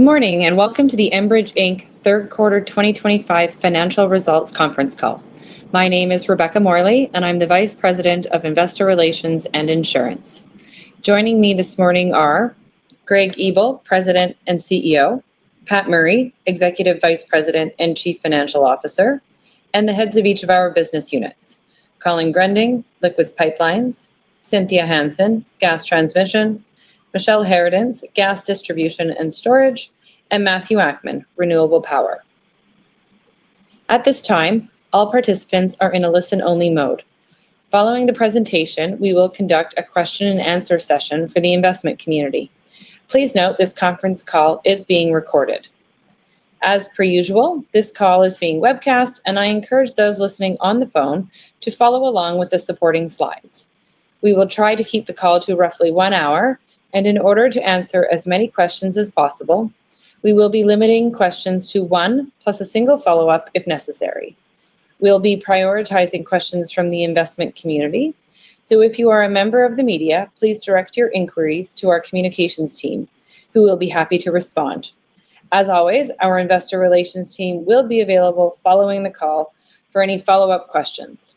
Good morning and welcome to the Enbridge Inc Third Quarter 2025 Financial Results Conference Call. My name is Rebecca Morley, and I'm the Vice President of Investor Relations and Insurance. Joining me this morning are Greg Ebel, President and CEO; Pat Murray, Executive Vice President and Chief Financial Officer; and the heads of each of our business units: Colin Granger, Liquids Pipelines; Cynthia Hansen, Gas Transmission; Michelle Harradence, Gas Distribution and Storage; and Matthew Akman, Renewable Power. At this time, all participants are in a listen-only mode. Following the presentation, we will conduct a question-and-answer session for the investment community. Please note this conference call is being recorded. As per usual, this call is being webcast, and I encourage those listening on the phone to follow along with the supporting slides. We will try to keep the call to roughly one hour, and in order to answer as many questions as possible, we will be limiting questions to one plus a single follow-up if necessary. We'll be prioritizing questions from the investment community, so if you are a member of the media, please direct your inquiries to our communications team, who will be happy to respond. As always, our investor relations team will be available following the call for any follow-up questions.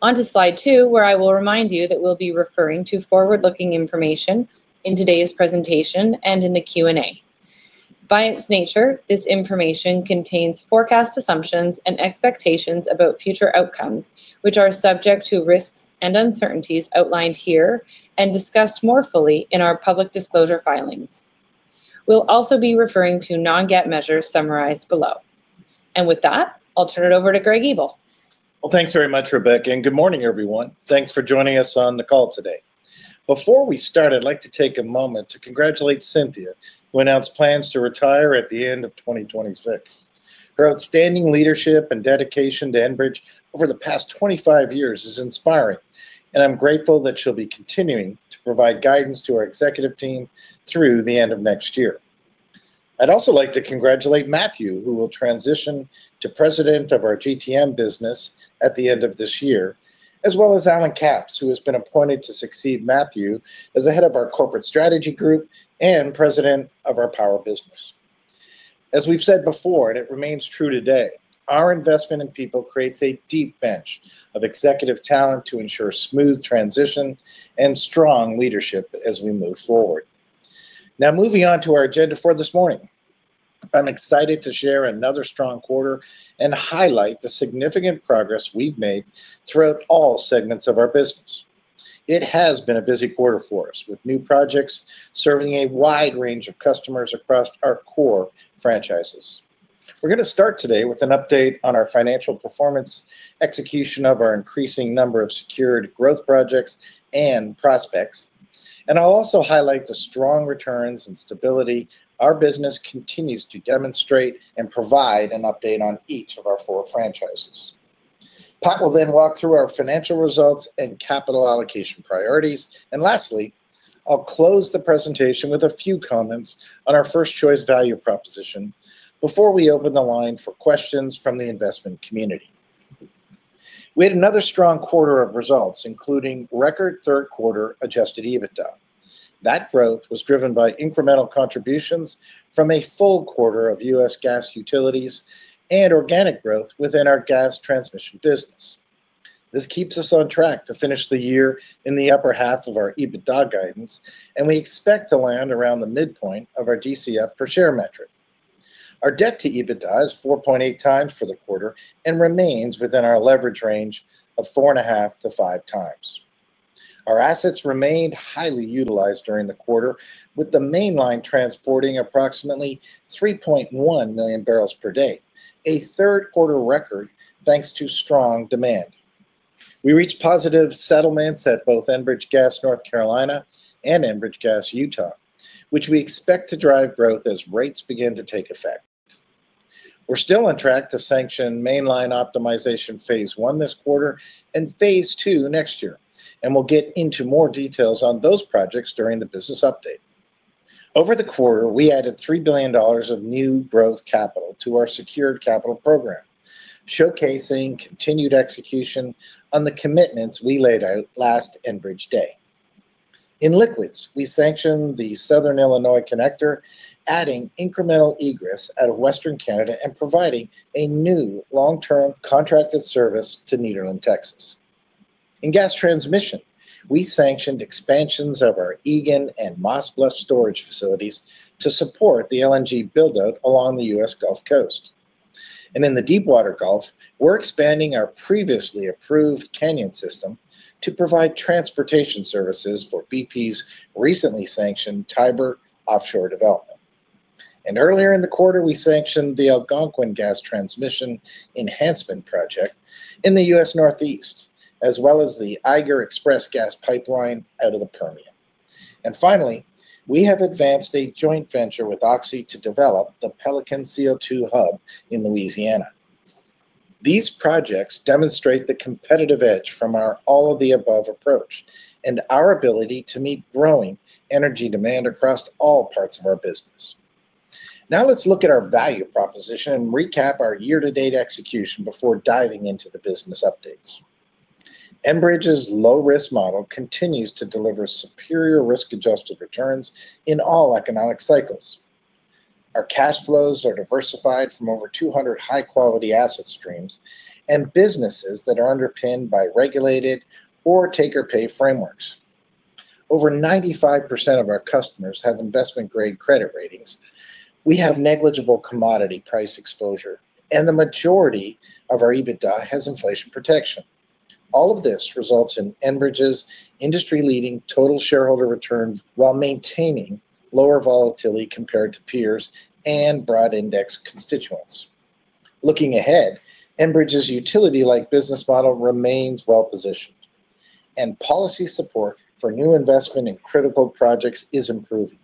Onto slide two, where I will remind you that we'll be referring to forward-looking information in today's presentation and in the Q&A. By its nature, this information contains forecast assumptions and expectations about future outcomes, which are subject to risks and uncertainties outlined here and discussed more fully in our public disclosure filings. We'll also be referring to non-GAAP measures summarized below. And with that, I'll turn it over to Greg Ebel. Thanks very much, Rebecca, and good morning, everyone. Thanks for joining us on the call today. Before we start, I'd like to take a moment to congratulate Cynthia, who announced plans to retire at the end of 2026. Her outstanding leadership and dedication to Enbridge over the past 25 years is inspiring, and I'm grateful that she'll be continuing to provide guidance to our executive team through the end of next year. I'd also like to congratulate Matthew, who will transition to President of our GTM business at the end of this year, as well as Allen Capps, who has been appointed to succeed Matthew as the head of our Corporate Strategy Group and President of our Power Business. As we've said before, and it remains true today, our investment in people creates a deep bench of executive talent to ensure smooth transition and strong leadership as we move forward. Now, moving on to our agenda for this morning, I'm excited to share another strong quarter and highlight the significant progress we've made throughout all segments of our business. It has been a busy quarter for us, with new projects serving a wide range of customers across our core franchises. We're going to start today with an update on our financial performance, execution of our increasing number of secured growth projects and prospects, and I'll also highlight the strong returns and stability our business continues to demonstrate and provide an update on each of our four franchises. Pat will then walk through our financial results and capital allocation priorities, and lastly, I'll close the presentation with a few comments on our first choice value proposition before we open the line for questions from the investment community. We had another strong quarter of results, including record third quarter adjusted EBITDA. That growth was driven by incremental contributions from a full quarter of U.S. gas utilities and organic growth within our gas transmission business. This keeps us on track to finish the year in the upper half of our EBITDA guidance, and we expect to land around the midpoint of our DCF per share metric. Our debt to EBITDA is 4.8 times for the quarter and remains within our leverage range of four and a half to five times. Our assets remained highly utilized during the quarter, with the main line transporting approximately 3.1 million barrels per day, a third quarter record thanks to strong demand. We reached positive settlements at both Enbridge Gas, North Carolina, and Enbridge Gas, Utah, which we expect to drive growth as rates begin to take effect. We're still on track to sanction main line optimization phase one this quarter and phase two next year, and we'll get into more details on those projects during the business update. Over the quarter, we added $3 billion of new growth capital to our secured capital program, showcasing continued execution on the commitments we laid out last Enbridge day. In liquids, we sanctioned the Southern Illinois connector, adding incremental egress out of Western Canada and providing a new long-term contracted service to Nederland, Texas. In gas transmission, we sanctioned expansions of our Egan and Moss Bluff storage facilities to support the LNG buildout along the U.S. Gulf Coast. And in the deep water gulf, we're expanding our previously approved canyon system to provide transportation services for BP's recently sanctioned Tiber offshore development. And earlier in the quarter, we sanctioned the Algonquin gas transmission enhancement project in the U.S. Northeast, as well as the Eiger Express gas pipeline out of the Permian. And finally, we have advanced a joint venture with Oxy to develop the Pelican CO2 hub in Louisiana. These projects demonstrate the competitive edge from our all-of-the-above approach and our ability to meet growing energy demand across all parts of our business. Now let's look at our value proposition and recap our year-to-date execution before diving into the business updates. Enbridge's low-risk model continues to deliver superior risk-adjusted returns in all economic cycles. Our cash flows are diversified from over 200 high-quality asset streams and businesses that are underpinned by regulated or take-or-pay frameworks. Over 95% of our customers have investment-grade credit ratings. We have negligible commodity price exposure, and the majority of our EBITDA has inflation protection. All of this results in Enbridge's industry-leading total shareholder return while maintaining lower volatility compared to peers and broad index constituents. Looking ahead, Enbridge's utility-like business model remains well-positioned, and policy support for new investment in critical projects is improving,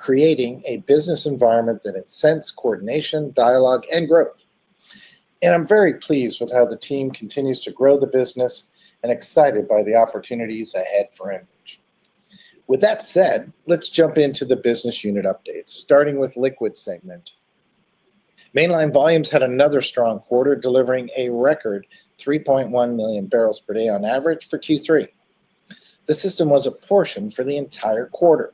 creating a business environment that incents coordination, dialogue, and growth. I'm very pleased with how the team continues to grow the business and excited by the opportunities ahead for Enbridge. With that said, let's jump into the business unit updates, starting with liquid segment. Mainline volumes had another strong quarter, delivering a record 3.1 million barrels per day on average for Q3. The system was a portion for the entire quarter,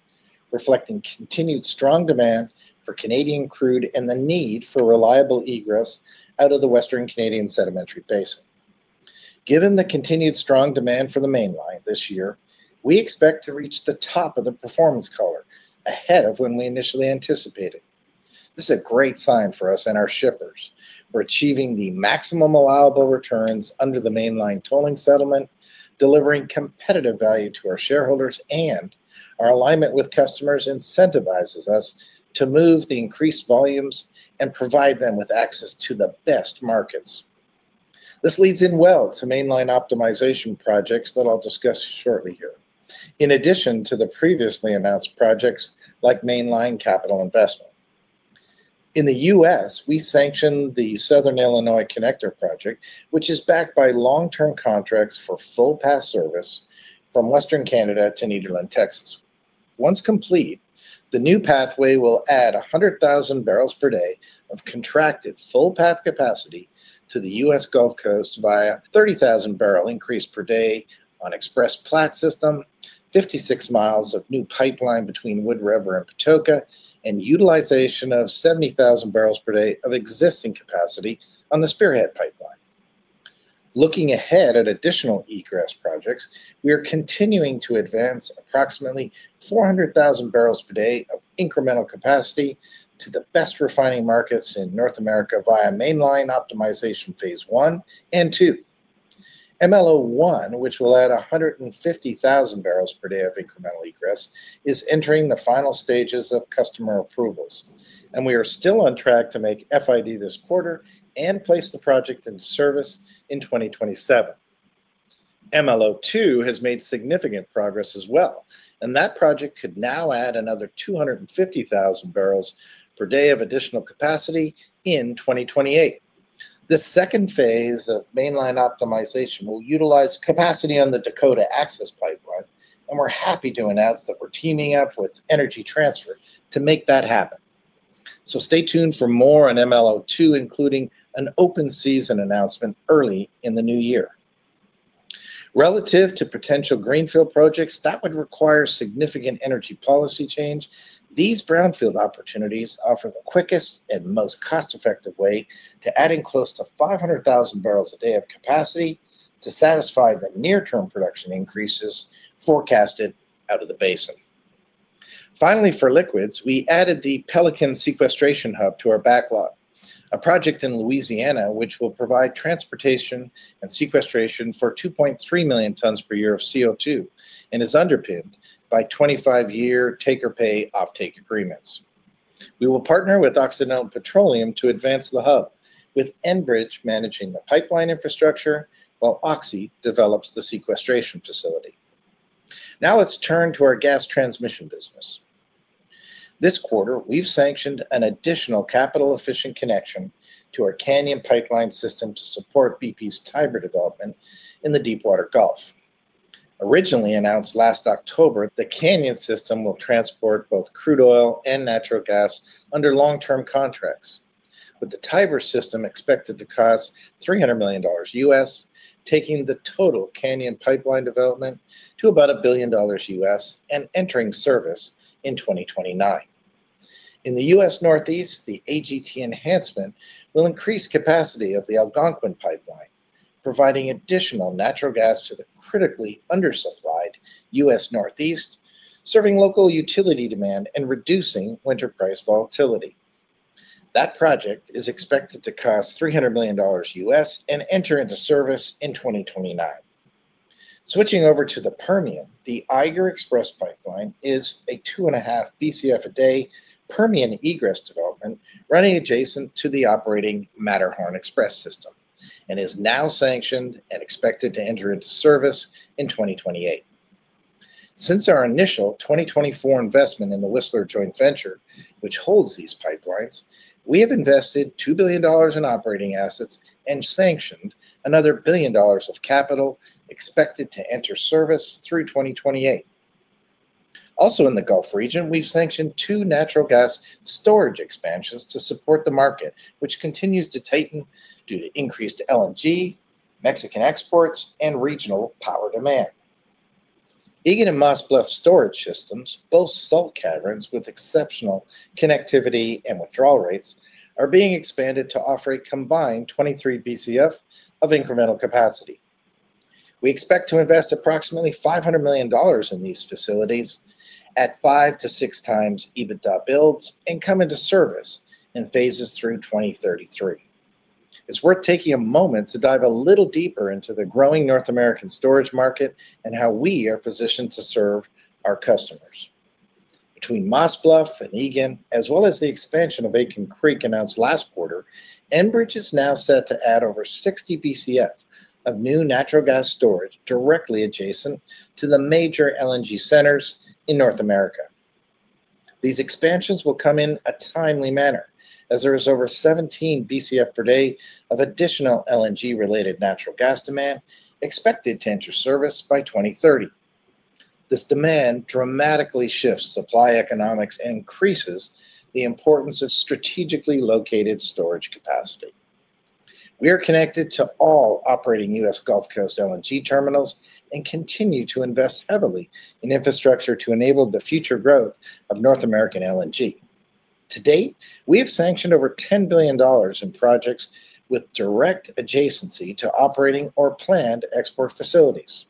reflecting continued strong demand for Canadian crude and the need for reliable egress out of the Western Canadian sedimentary basin. Given the continued strong demand for the Mainline this year, we expect to reach the top of the performance color ahead of when we initially anticipated. This is a great sign for us and our shippers. We're achieving the maximum allowable returns under the Mainline tolling settlement, delivering competitive value to our shareholders, and our alignment with customers incentivizes us to move the increased volumes and provide them with access to the best markets. This leads in well to Mainline optimization projects that I'll discuss shortly here, in addition to the previously announced projects like Mainline capital investment. In the U.S., we sanctioned the Southern Illinois Connector project, which is backed by long-term contracts for full path service from Western Canada to Nederland, Texas. Once complete, the new pathway will add 100,000 barrels per day of contracted full path capacity to the U.S. Gulf Coast via 30,000 barrel increase per day on Express Platte system, 56 miles of new pipeline between Wood River and Patoka, and utilization of 70,000 barrels per day of existing capacity on the Spearhead Pipeline. Looking ahead at additional egress projects, we are continuing to advance approximately 400,000 barrels per day of incremental capacity to the best refining markets in North America via Mainline Optimization Phase one and two. MLO one, which will add 150,000 barrels per day of incremental egress, is entering the final stages of customer approvals, and we are still on track to make FID this quarter and place the project into service in 2027. MLO two has made significant progress as well, and that project could now add another 250,000 barrels per day of additional capacity in 2028. The second phase of Mainline optimization will utilize capacity on the Dakota Access Pipeline, and we're happy to announce that we're teaming up with Energy Transfer to make that happen. Stay tuned for more on MLO two, including an open season announcement early in the new year. Relative to potential greenfield projects that would require significant energy policy change, these brownfield opportunities offer the quickest and most cost-effective way to add in close to 500,000 barrels a day of capacity to satisfy the near-term production increases forecasted out of the basin. Finally, for liquids, we added the Pelican Sequestration Hub to our backlog, a project in Louisiana which will provide transportation and sequestration for 2.3 million tons per year of CO2 and is underpinned by 25-year take-or-pay offtake agreements. We will partner with Oxynote Petroleum to advance the hub, with Enbridge managing the pipeline infrastructure while Oxy develops the sequestration facility. Now let's turn to our gas transmission business. This quarter, we've sanctioned an additional capital-efficient connection to our canyon pipeline system to support BP's Tiber development in the deep water gulf. Originally announced last October, the canyon system will transport both crude oil and natural gas under long-term contracts, with the Tiber system expected to cost $300 million U.S., taking the total canyon pipeline development to about a billion dollars U.S. and entering service in 2029. In the U.S. Northeast, the AGT enhancement will increase capacity of the Algonquin pipeline, providing additional natural gas to the critically undersupplied U.S. Northeast, serving local utility demand and reducing winter price volatility. That project is expected to cost $300 million U.S. and enter into service in 2029. Switching over to the Permian, the Eiger Express pipeline is a two and a half Bcf a day Permian egress development running adjacent to the operating Matterhorn Express system and is now sanctioned and expected to enter into service in 2028. Since our initial 2024 investment in the Whistler joint venture, which holds these pipelines, we have invested $2 billion in operating assets and sanctioned another billion dollars of capital expected to enter service through 2028. Also in the Gulf region, we've sanctioned two natural gas storage expansions to support the market, which continues to tighten due to increased LNG, Mexican exports, and regional power demand. Egan and Moss Bluff storage systems, both salt caverns with exceptional connectivity and withdrawal rates, are being expanded to offer a combined 23 Bcf of incremental capacity. We expect to invest approximately $500 million in these facilities at five to six times EBITDA builds and come into service in phases through 2033. It's worth taking a moment to dive a little deeper into the growing North American storage market and how we are positioned to serve our customers. Between Moss Bluff and Egan, as well as the expansion of Aitken Creek announced last quarter, Enbridge is now set to add over 60 Bcf of new natural gas storage directly adjacent to the major LNG centers in North America. These expansions will come in a timely manner as there is over 17 Bcf per day of additional LNG-related natural gas demand expected to enter service by 2030. This demand dramatically shifts supply economics and increases the importance of strategically located storage capacity. We are connected to all operating U.S. Gulf Coast LNG terminals and continue to invest heavily in infrastructure to enable the future growth of North American LNG. To date, we have sanctioned over $10 billion in projects with direct adjacency to operating or planned export facilities.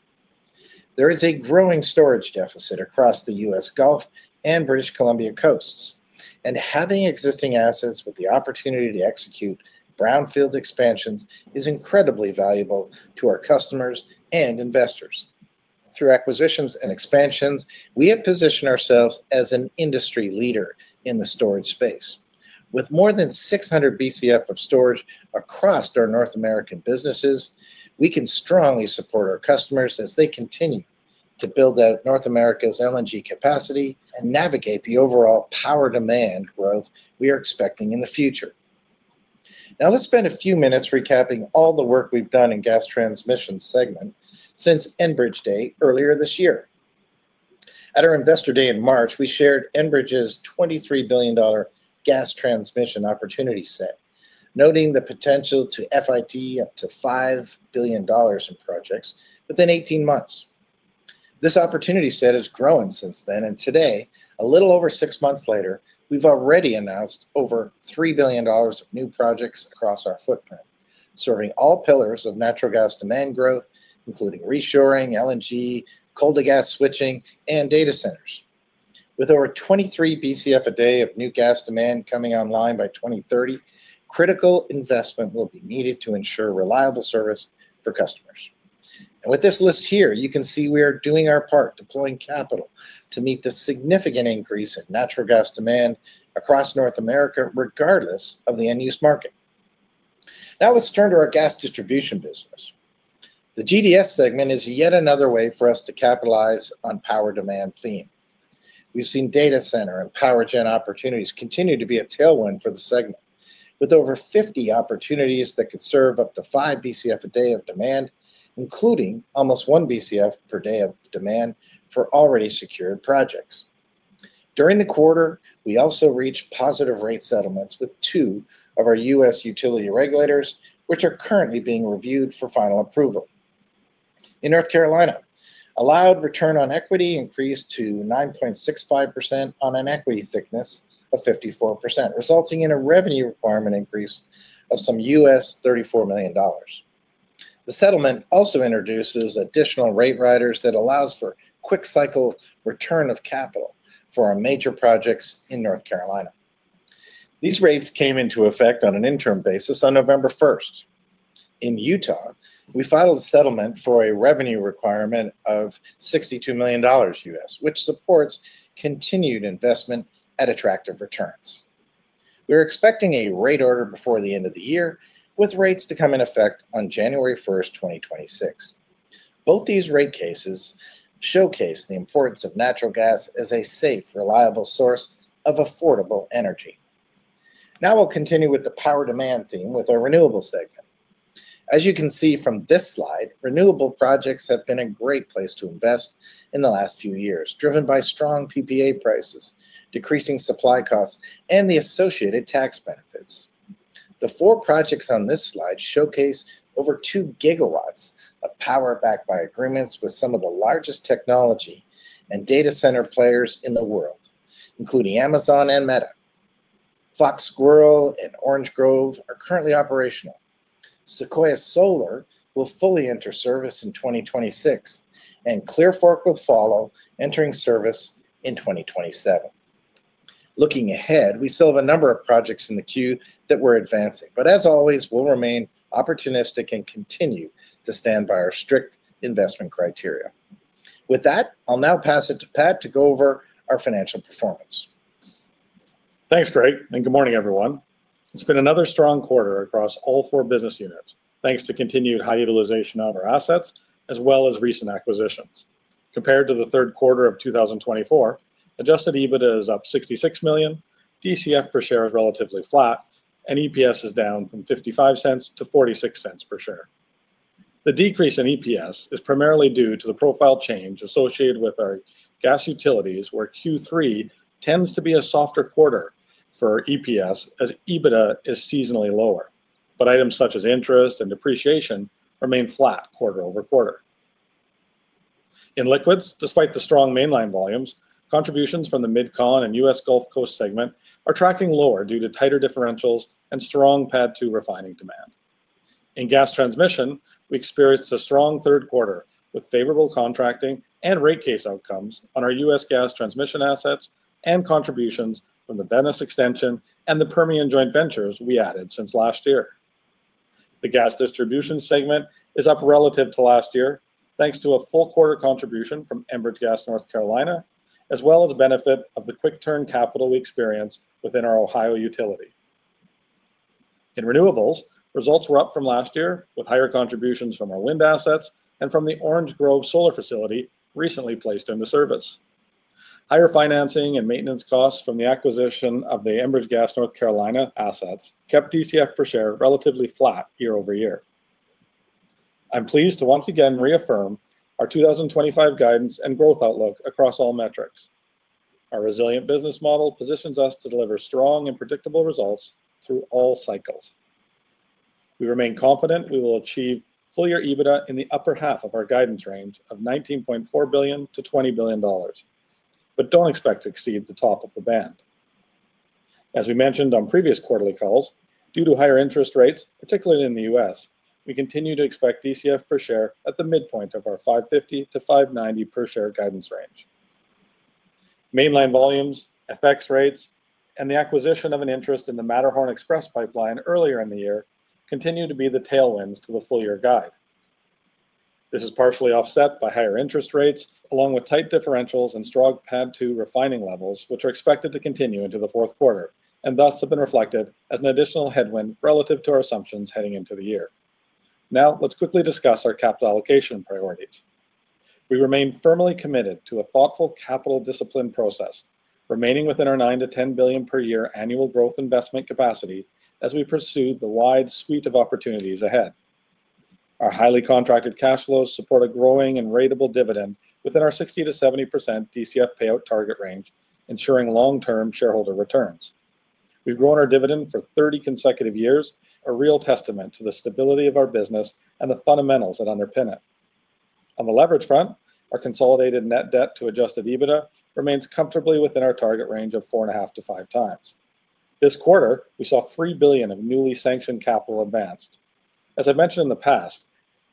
There is a growing storage deficit across the U.S. Gulf and British Columbia coasts, and having existing assets with the opportunity to execute brownfield expansions is incredibly valuable to our customers and investors. Through acquisitions and expansions, we have positioned ourselves as an industry leader in the storage space. With more than 600 Bcf of storage across our North American businesses, we can strongly support our customers as they continue to build out North America's LNG capacity and navigate the overall power demand growth we are expecting in the future. Now let's spend a few minutes recapping all the work we've done in gas transmission segment since Enbridge Day earlier this year. At our investor day in March, we shared Enbridge's $23 billion gas transmission opportunity set, noting the potential to FID up to $5 billion in projects within 18 months. This opportunity set has grown since then, and today, a little over six months later, we've already announced over $3 billion of new projects across our footprint, serving all pillars of natural gas demand growth, including reshoring, LNG, coal-to-gas switching, and data centers. With over 23 Bcf a day of new gas demand coming online by 2030, critical investment will be needed to ensure reliable service for customers. And with this list here, you can see we are doing our part, deploying capital to meet the significant increase in natural gas demand across North America, regardless of the end-use market. Now let's turn to our gas distribution business. The GDS segment is yet another way for us to capitalize on power demand theme. We've seen data center and power gen opportunities continue to be a tailwind for the segment, with over 50 opportunities that could serve up to 5 Bcf a day of demand, including almost 1 Bcf per day of demand for already secured projects. During the quarter, we also reached positive rate settlements with two of our U.S. utility regulators, which are currently being reviewed for final approval. In North Carolina, allowed return on equity increased to 9.65% on an equity thickness of 54%, resulting in a revenue requirement increase of some U.S. $34 million. The settlement also introduces additional rate riders that allow for quick-cycle return of capital for our major projects in North Carolina. These rates came into effect on an interim basis on November 1st. In Utah, we filed a settlement for a revenue requirement of $62 million U.S., which supports continued investment at attractive returns. We're expecting a rate order before the end of the year, with rates to come in effect on January 1st, 2026. Both these rate cases showcase the importance of natural gas as a safe, reliable source of affordable energy. Now we'll continue with the power demand theme with our renewable segment. As you can see from this slide, renewable projects have been a great place to invest in the last few years, driven by strong PPA prices, decreasing supply costs, and the associated tax benefits. The four projects on this slide showcase over 2 GW of power backed by agreements with some of the largest technology and data center players in the world, including Amazon and Meta. Fox Squirrel and Orange Grove are currently operational. Sequoia Solar will fully enter service in 2026, and Clearfork will follow, entering service in 2027. Looking ahead, we still have a number of projects in the queue that we're advancing, but as always, we'll remain opportunistic and continue to stand by our strict investment criteria. With that, I'll now pass it to Pat to go over our financial performance. Thanks, Greg, and good morning, everyone. It's been another strong quarter across all four business units, thanks to continued high utilization of our assets, as well as recent acquisitions. Compared to the third quarter of 2024, adjusted EBITDA is up 66 million, Bcf per share is relatively flat, and EPS is down from 55 cents to 46 cents per share. The decrease in EPS is primarily due to the profile change associated with our gas utilities, where Q3 tends to be a softer quarter for EPS as EBITDA is seasonally lower, but items such as interest and depreciation remain flat quarter over quarter. In liquids, despite the strong main line volumes, contributions from the Mid-Con and U.S. Gulf Coast segment are tracking lower due to tighter differentials and strong pad two refining demand. In gas transmission, we experienced a strong third quarter with favorable contracting and rate case outcomes on our U.S. gas transmission assets and contributions from the Venice Extension and the Permian Joint Ventures we added since last year. The gas distribution segment is up relative to last year, thanks to a full quarter contribution from Enbridge Gas North Carolina, as well as the benefit of the quick-turn capital we experience within our Ohio utility. In renewables, results were up from last year with higher contributions from our wind assets and from the Orange Grove solar facility recently placed into service. Higher financing and maintenance costs from the acquisition of the Enbridge Gas North Carolina assets kept DCF per share relatively flat year over year. I'm pleased to once again reaffirm our 2025 guidance and growth outlook across all metrics. Our resilient business model positions us to deliver strong and predictable results through all cycles. We remain confident we will achieve full year EBITDA in the upper half of our guidance range of $19.4 billion-$20 billion, but don't expect to exceed the top of the band. As we mentioned on previous quarterly calls, due to higher interest rates, particularly in the U.S., we continue to expect DCF per share at the midpoint of our 550-590 per share guidance range. Main line volumes, FX rates, and the acquisition of an interest in the Matterhorn Express pipeline earlier in the year continue to be the tailwinds to the full year guide. This is partially offset by higher interest rates, along with tight differentials and strong pad two refining levels, which are expected to continue into the fourth quarter and thus have been reflected as an additional headwind relative to our assumptions heading into the year. Now let's quickly discuss our capital allocation priorities. We remain firmly committed to a thoughtful capital discipline process, remaining within our 9-10 billion per year annual growth investment capacity as we pursue the wide suite of opportunities ahead. Our highly contracted cash flows support a growing and ratable dividend within our 60-70% DCF payout target range, ensuring long-term shareholder returns. We've grown our dividend for 30 consecutive years, a real testament to the stability of our business and the fundamentals that underpin it. On the leverage front, our consolidated net debt to adjusted EBITDA remains comfortably within our target range of four and a half to five times. This quarter, we saw 3 billion of newly sanctioned capital advanced. As I mentioned in the past,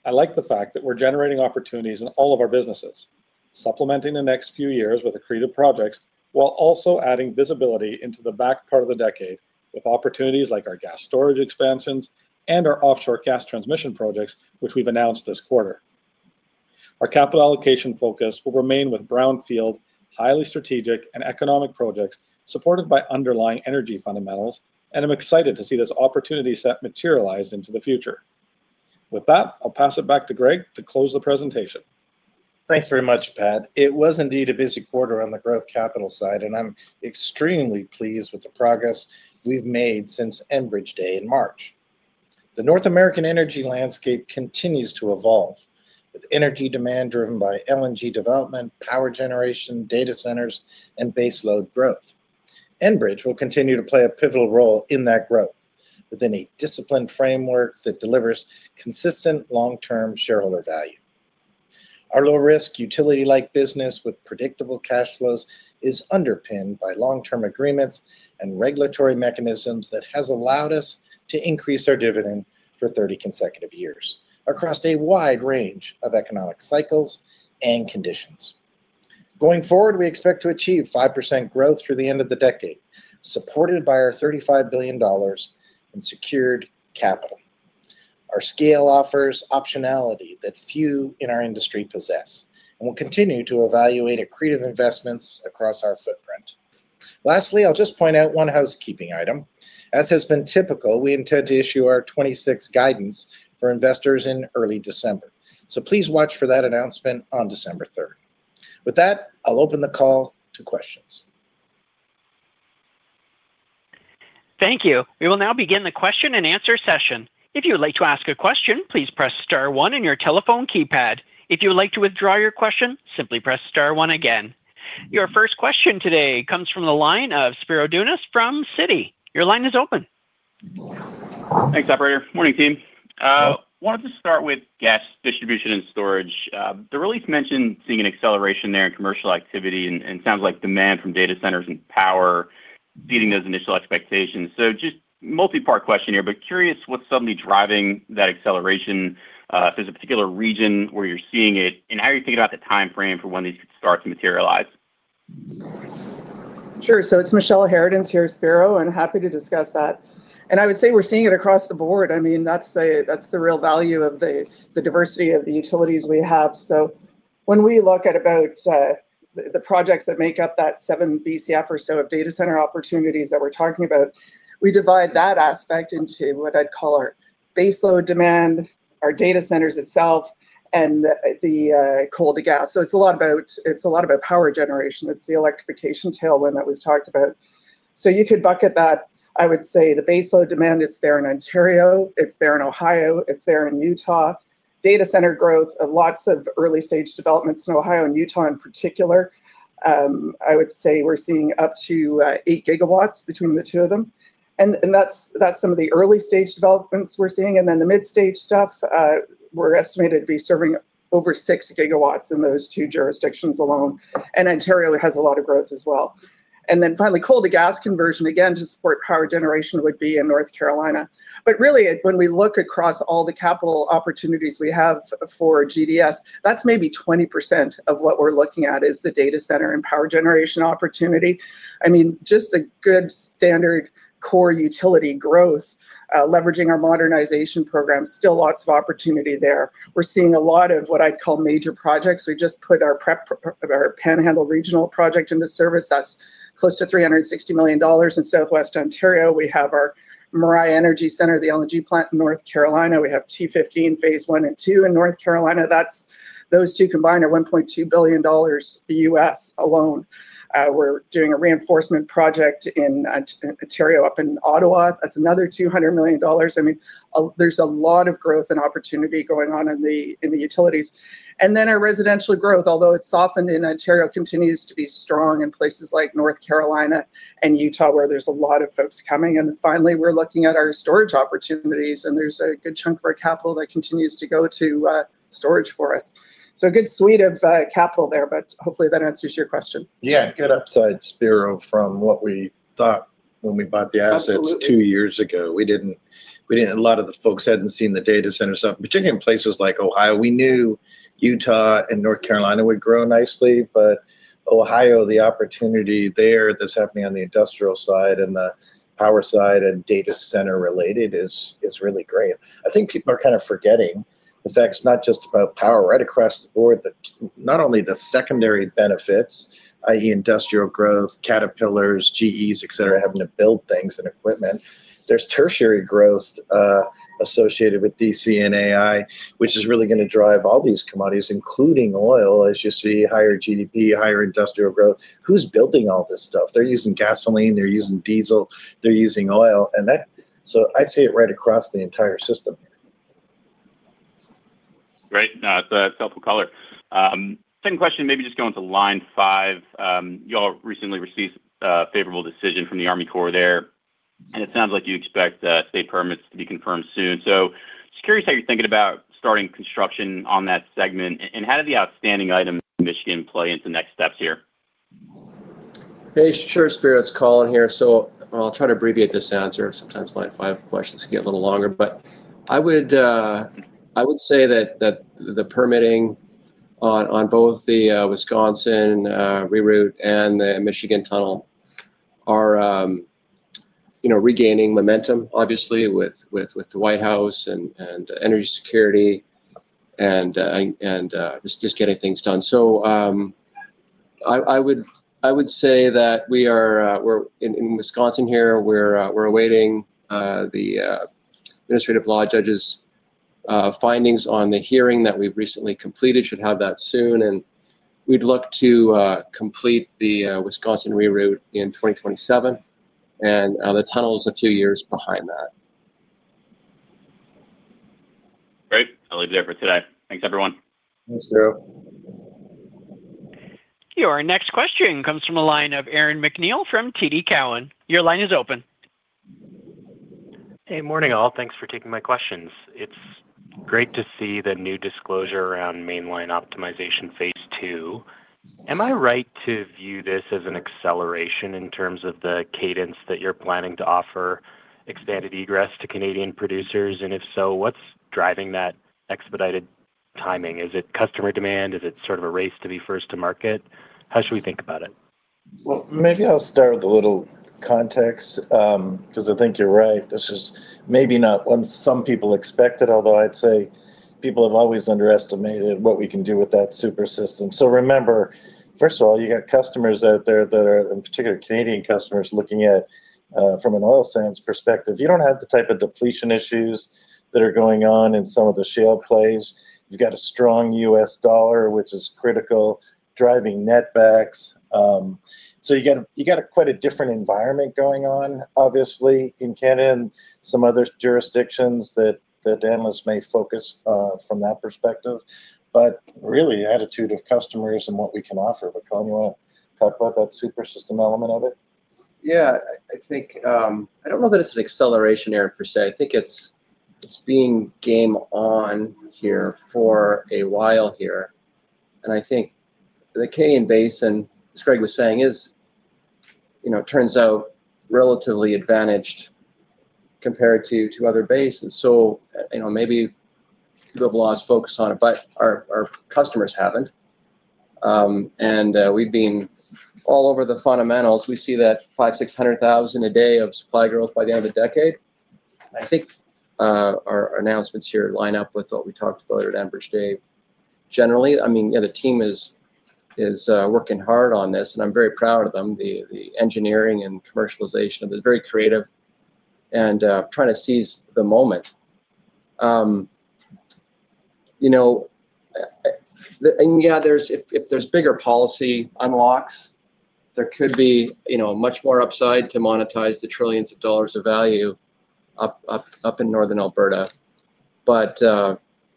I like the fact that we're generating opportunities in all of our businesses, supplementing the next few years with accretive projects while also adding visibility into the back part of the decade with opportunities like our gas storage expansions and our offshore gas transmission projects, which we've announced this quarter. Our capital allocation focus will remain with brownfield, highly strategic and economic projects supported by underlying energy fundamentals, and I'm excited to see this opportunity set materialize into the future. With that, I'll pass it back to Greg to close the presentation. Thanks very much, Pat. It was indeed a busy quarter on the growth capital side, and I'm extremely pleased with the progress we've made since Enbridge Day in March. The North American energy landscape continues to evolve with energy demand driven by LNG development, power generation, data centers, and baseload growth. Enbridge will continue to play a pivotal role in that growth within a disciplined framework that delivers consistent long-term shareholder value. Our low-risk utility-like business with predictable cash flows is underpinned by long-term agreements and regulatory mechanisms that have allowed us to increase our dividend for 30 consecutive years across a wide range of economic cycles and conditions. Going forward, we expect to achieve 5% growth through the end of the decade, supported by our $35 billion in secured capital. Our scale offers optionality that few in our industry possess, and we'll continue to evaluate accretive investments across our footprint. Lastly, I'll just point out one housekeeping item. As has been typical, we intend to issue our 26th guidance for investors in early December, so please watch for that announcement on December 3rd. With that, I'll open the call to questions. Thank you. We will now begin the question and answer session. If you would like to ask a question, please press star one in your telephone keypad. If you would like to withdraw your question, simply press star one again. Your first question today comes from the line of Spiro Dounis from Citi. Your line is open. Thanks, Operator. Morning, team. I wanted to start with gas distribution and storage. The release mentioned seeing an acceleration there in commercial activity, and it sounds like demand from data centers and power beating those initial expectations. So just a multi-part question here, but curious what's suddenly driving that acceleration. If there's a particular region where you're seeing it, and how are you thinking about the timeframe for when these could start to materialize? Sure. So it's Michelle Harradence here at Spiro, and happy to discuss that. And I would say we're seeing it across the board. I mean, that's the real value of the diversity of the utilities we have. So when we look at about the projects that make up that seven Bcf or so of data center opportunities that we're talking about, we divide that aspect into what I'd call our baseload demand, our data centers itself, and the coal to gas. So it's a lot about power generation. It's the electrification tailwind that we've talked about. So you could bucket that, I would say, the baseload demand is there in Ontario, it's there in Ohio, it's there in Utah. Data center growth, lots of early-stage developments in Ohio and Utah in particular. I would say we're seeing up to 8 GW between the two of them. And that's some of the early-stage developments we're seeing. And then the mid-stage stuff, we're estimated to be serving over 6 GW in those two jurisdictions alone. And Ontario has a lot of growth as well. And then finally, coal to gas conversion, again, to support power generation would be in North Carolina. But really, when we look across all the capital opportunities we have for GDS, that's maybe 20% of what we're looking at is the data center and power generation opportunity. I mean, just the good standard core utility growth, leveraging our modernization program, still lots of opportunity there. We're seeing a lot of what I'd call major projects. We just put our Panhandle regional project into service. That's close to $360 million in southwest Ontario. We have our Mariah Energy Center, the LNG plant in North Carolina. We have T15 phase one and two in North Carolina. Those two combined are $1.2 billion U.S. alone. We're doing a reinforcement project in Ontario up in Ottawa. That's another $200 million. I mean, there's a lot of growth and opportunity going on in the utilities. And then our residential growth, although it's softened in Ontario, continues to be strong in places like North Carolina and Utah, where there's a lot of folks coming. And finally, we're looking at our storage opportunities, and there's a good chunk of our capital that continues to go to storage for us. So a good suite of capital there, but hopefully that answers your question. Yeah, good upside, Spiro, from what we thought when we bought the assets two years ago. We didn't—a lot of the folks hadn't seen the data center stuff, particularly in places like Ohio. We knew Utah and North Carolina would grow nicely, but Ohio, the opportunity there that's happening on the industrial side and the power side and data center related is really great. I think people are kind of forgetting the fact it's not just about power right across the board, but not only the secondary benefits, i.e., industrial growth, Caterpillars, GEs, etc., having to build things and equipment. There's tertiary growth associated with DC and AI, which is really going to drive all these commodities, including oil, as you see higher GDP, higher industrial growth. Who's building all this stuff? They're using gasoline, they're using diesel, they're using oil. And that—so I see it right across the entire system here. Great. That's helpful color. Second question, maybe just going to line five. You all recently received a favorable decision from the Army Corps there, and it sounds like you expect state permits to be confirmed soon. So just curious how you're thinking about starting construction on that segment, and how did the outstanding item in Michigan play into next steps here? Hey, sure, Spiro's calling here. So I'll try to abbreviate this answer. Sometimes line five questions can get a little longer, but I would say that the permitting on both the Wisconsin Reboot and the Michigan tunnel are regaining momentum, obviously, with the White House and energy security and just getting things done. So I would say that we are in Wisconsin here. We're awaiting the administrative law judge's findings on the hearing that we've recently completed. Should have that soon. And we'd look to complete the Wisconsin Reboot in 2027, and the tunnel's a few years behind that. Great. I'll leave it there for today. Thanks, everyone. Thanks, Spiro. Your next question comes from a line of Aaron MacNeil from TD Cowen. Your line is open. Hey, morning, all. Thanks for taking my questions. It's great to see the new disclosure around main line optimization phase two. Am I right to view this as an acceleration in terms of the cadence that you're planning to offer expanded egress to Canadian producers? And if so, what's driving that expedited timing? Is it customer demand? Is it sort of a race to be first to market? How should we think about it? Well, maybe I'll start with a little context because I think you're right. This is maybe not what some people expected, although I'd say people have always underestimated what we can do with that super system. So remember, first of all, you got customers out there that are, in particular, Canadian customers looking at from an oil sands perspective. You don't have the type of depletion issues that are going on in some of the shale plays. You've got a strong U.S. dollar, which is critical, driving netbacks. So you got quite a different environment going on, obviously, in Canada and some other jurisdictions that analysts may focus on from that perspective. But really, the attitude of customers and what we can offer. But Colin, you want to talk about that super system element of it? Yeah. I don't know that it's an acceleration area per se. I think it's being game on here for a while here. And I think the Canadian basin, as Greg was saying, turns out relatively advantaged compared to other bases. So maybe people have lost focus on it, but our customers haven't. And we've been all over the fundamentals. We see that 5,000, 600,000 a day of supply growth by the end of the decade. I think our announcements here line up with what we talked about at Enbridge Day. Generally, I mean, the team is working hard on this, and I'm very proud of them. The engineering and commercialization of it is very creative and trying to seize the moment. And yeah, if there's bigger policy unlocks, there could be much more upside to monetize the trillions of dollars of value up in Northern Alberta. But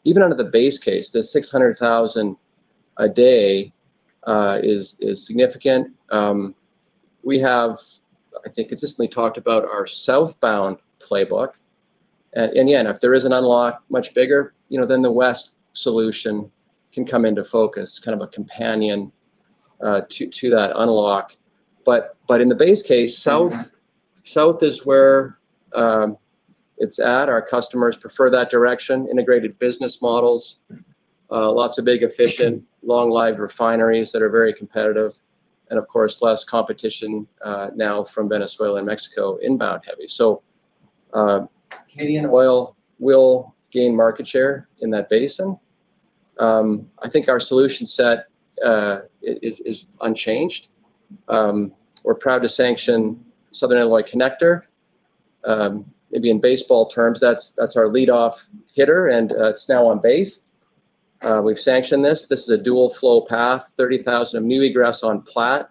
even under the base case, the 600,000 a day is significant. We have, I think, consistently talked about our southbound playbook. And again, if there is an unlock much bigger, then the west solution can come into focus, kind of a companion to that unlock. But in the base case, south is where it's at. Our customers prefer that direction. Integrated business models, lots of big efficient, long-life refineries that are very competitive. And of course, less competition now from Venezuela and Mexico inbound heavy. So Canadian oil will gain market share in that basin. I think our solution set is unchanged. We're proud to sanction Southern Illinois Connector. Maybe in baseball terms, that's our lead-off hitter, and it's now on base. We've sanctioned this. This is a dual-flow path, 30,000 of new egress on plat,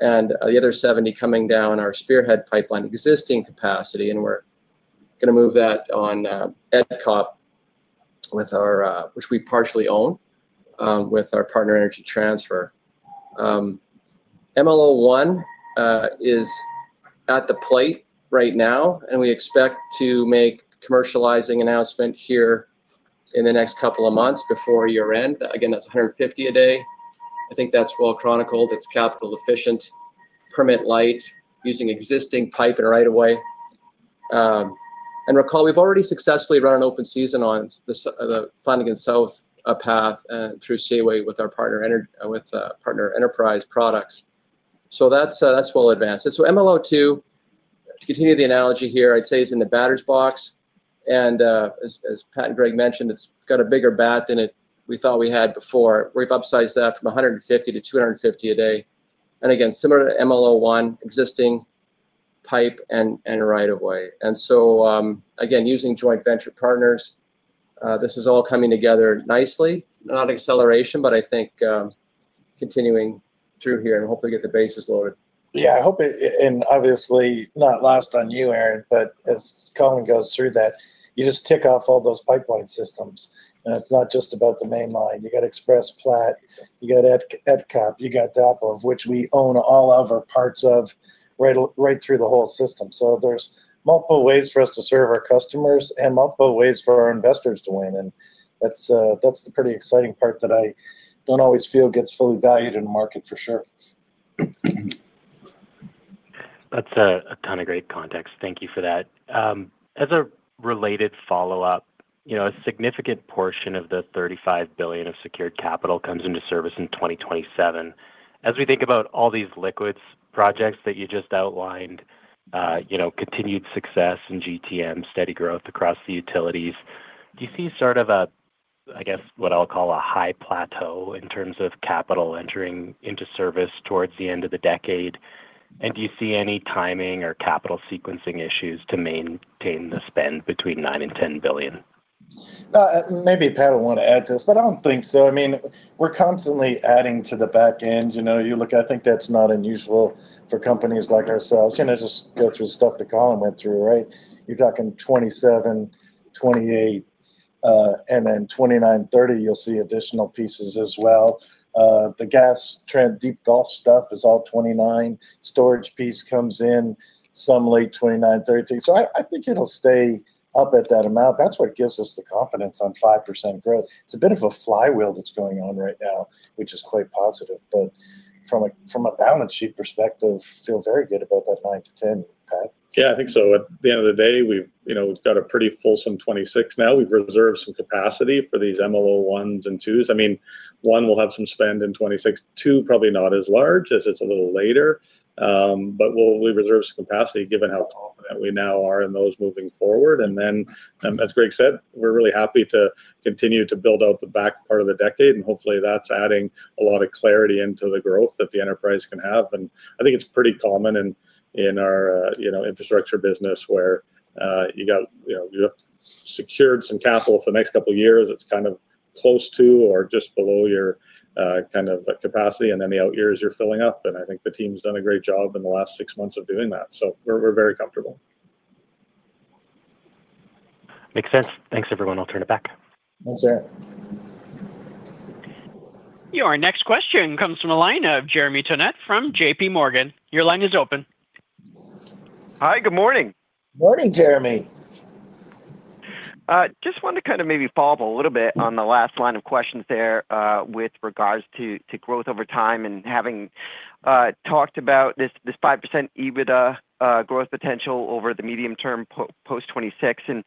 and the other 70 coming down our spearhead pipeline existing capacity. And we're going to move that on Edcop, which we partially own with our partner energy transfer. MLO-1 is at the plate right now, and we expect to make commercializing announcement here in the next couple of months before year-end. Again, that's 150 a day. I think that's well chronicled. It's capital efficient, permit light, using existing pipe and right-of-way. And recall, we've already successfully run an open season on the Flanagan South path through Seaway with our partner enterprise products. So that's well advanced. So MLO-2, to continue the analogy here, I'd say is in the batter's box. And as Pat and Greg mentioned, it's got a bigger bat than we thought we had before. We've upsized that from 150 to 250 a day. And again, similar to MLO-1, existing pipe and right-of-way. And so again, using joint venture partners, this is all coming together nicely. Not acceleration, but I think continuing through here and hopefully get the bases loaded. Yeah. And obviously, not last on you, Aaron, but as Colin goes through that, you just tick off all those pipeline systems. And it's not just about the main line. You got Express Plat, you got Edcop, you got DAPLA, of which we own all of our parts of right through the whole system. So there's multiple ways for us to serve our customers and multiple ways for our investors to win. And that's the pretty exciting part that I don't always feel gets fully valued in the market, for sure. That's a ton of great context. Thank you for that. As a related follow-up, a significant portion of the 35 billion of secured capital comes into service in 2027. As we think about all these liquids projects that you just outlined, continued success in GTM, steady growth across the utilities, do you see sort of a, I guess, what I'll call a high plateau in terms of capital entering into service towards the end of the decade? And do you see any timing or capital sequencing issues to maintain the spend between 9 and 10 billion? Maybe Pat will want to add to this, but I don't think so. I mean, we're constantly adding to the back end. You look, I think that's not unusual for companies like ourselves. Just go through the stuff that Colin went through, right? You're talking 27, 28, and then 29, 30, you'll see additional pieces as well. The gas trend, deep gulf stuff is all 29. Storage piece comes in some late 29, 30. So I think it'll stay up at that amount. That's what gives us the confidence on 5% growth. It's a bit of a flywheel that's going on right now, which is quite positive. But from a balance sheet perspective, feel very good about that 9 to 10, Pat. Yeah, I think so. At the end of the day, we've got a pretty fulsome 26 now. We've reserved some capacity for these MLO-1s and 2s. I mean, 1 will have some spend in 26, 2 probably not as large as it's a little later. But we'll reserve some capacity given how confident we now are in those moving forward. And then, as Greg said, we're really happy to continue to build out the back part of the decade. And hopefully, that's adding a lot of clarity into the growth that the enterprise can have. And I think it's pretty common in our infrastructure business where you have secured some capital for the next couple of years. It's kind of close to or just below your kind of capacity, and then the out years you're filling up. And I think the team's done a great job in the last six months of doing that. So we're very comfortable. Makes sense. Thanks, everyone. I'll turn it back. Thanks, Aaron. Your next question comes from a line of Jeremy Tonet from JPMorgan. Your line is open. Hi, good morning. Morning, Jeremy. Just wanted to kind of maybe follow up a little bit on the last line of questions there with regards to growth over time and having talked about this 5% EBITDA growth potential over the medium term post '26. And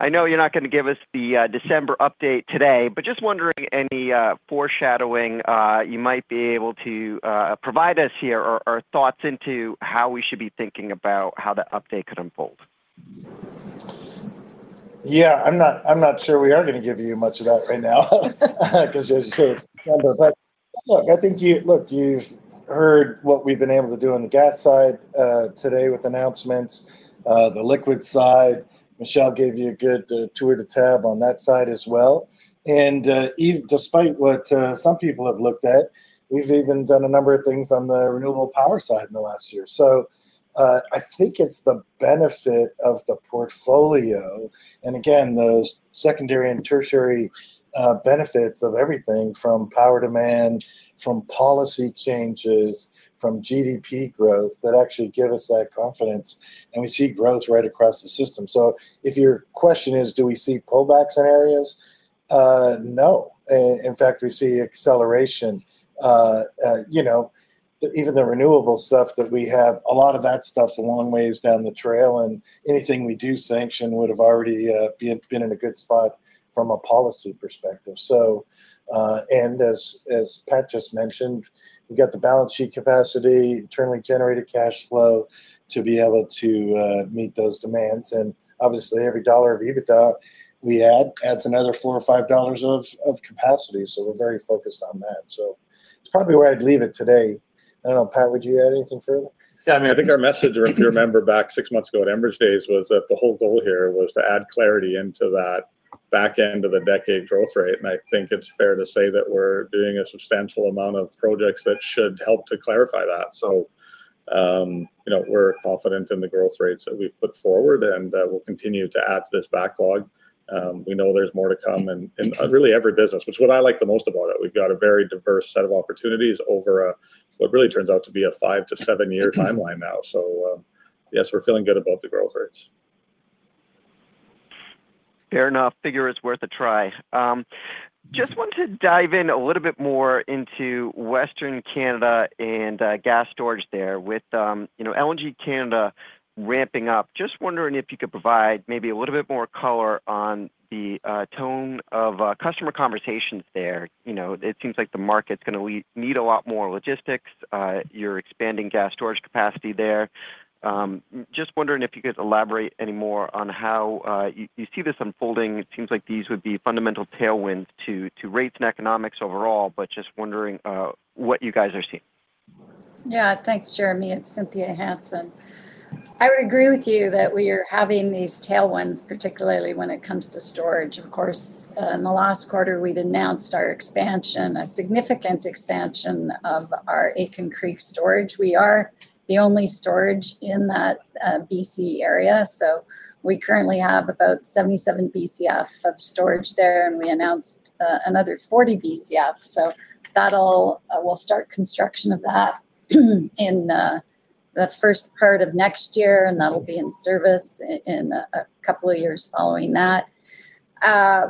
I know you're not going to give us the December update today, but just wondering any foreshadowing you might be able to provide us here or thoughts into how we should be thinking about how the update could unfold. Yeah, I'm not sure we are going to give you much of that right now because, as you say, it's December. But look, I think you've heard what we've been able to do on the gas side today with announcements, the liquid side. Michelle gave you a good tour to tab on that side as well. And despite what some people have looked at, we've even done a number of things on the renewable power side in the last year. So I think it's the benefit of the portfolio. And again, those secondary and tertiary benefits of everything from power demand, from policy changes, from GDP growth that actually give us that confidence. And we see growth right across the system. So if your question is, do we see pullback scenarios? No. In fact, we see acceleration. Even the renewable stuff that we have, a lot of that stuff's a long ways down the trail. And anything we do sanction would have already been in a good spot from a policy perspective. And as Pat just mentioned, we've got the balance sheet capacity, internally generated cash flow to be able to meet those demands. And obviously, every dollar of EBITDA we add adds another four or five dollars of capacity. So we're very focused on that. So it's probably where I'd leave it today. I don't know, Pat, would you add anything further? Yeah. I mean, I think our message, if you remember back six months ago at Enbridge Days, was that the whole goal here was to add clarity into that back end of the decade growth rate. And I think it's fair to say that we're doing a substantial amount of projects that should help to clarify that. So we're confident in the growth rates that we've put forward, and we'll continue to add to this backlog. We know there's more to come in really every business, which is what I like the most about it. We've got a very diverse set of opportunities over what really turns out to be a five to seven-year timeline now. So yes, we're feeling good about the growth rates. Fair enough. Figure is worth a try. Just wanted to dive in a little bit more into Western Canada and gas storage there with LNG Canada ramping up. Just wondering if you could provide maybe a little bit more color on the tone of customer conversations there. It seems like the market's going to need a lot more logistics. You're expanding gas storage capacity there. Just wondering if you could elaborate any more on how you see this unfolding. It seems like these would be fundamental tailwinds to rates and economics overall, but just wondering what you guys are seeing. Yeah. Thanks, Jeremy. It's Cynthia Hansen. I would agree with you that we are having these tailwinds, particularly when it comes to storage. Of course, in the last quarter, we've announced our expansion, a significant expansion of our Aitken Creek storage. We are the only storage in that BC area. So we currently have about 77 Bcf of storage there, and we announced another 40 Bcf. So we'll start construction of that in the first part of next year, and that will be in service in a couple of years following that.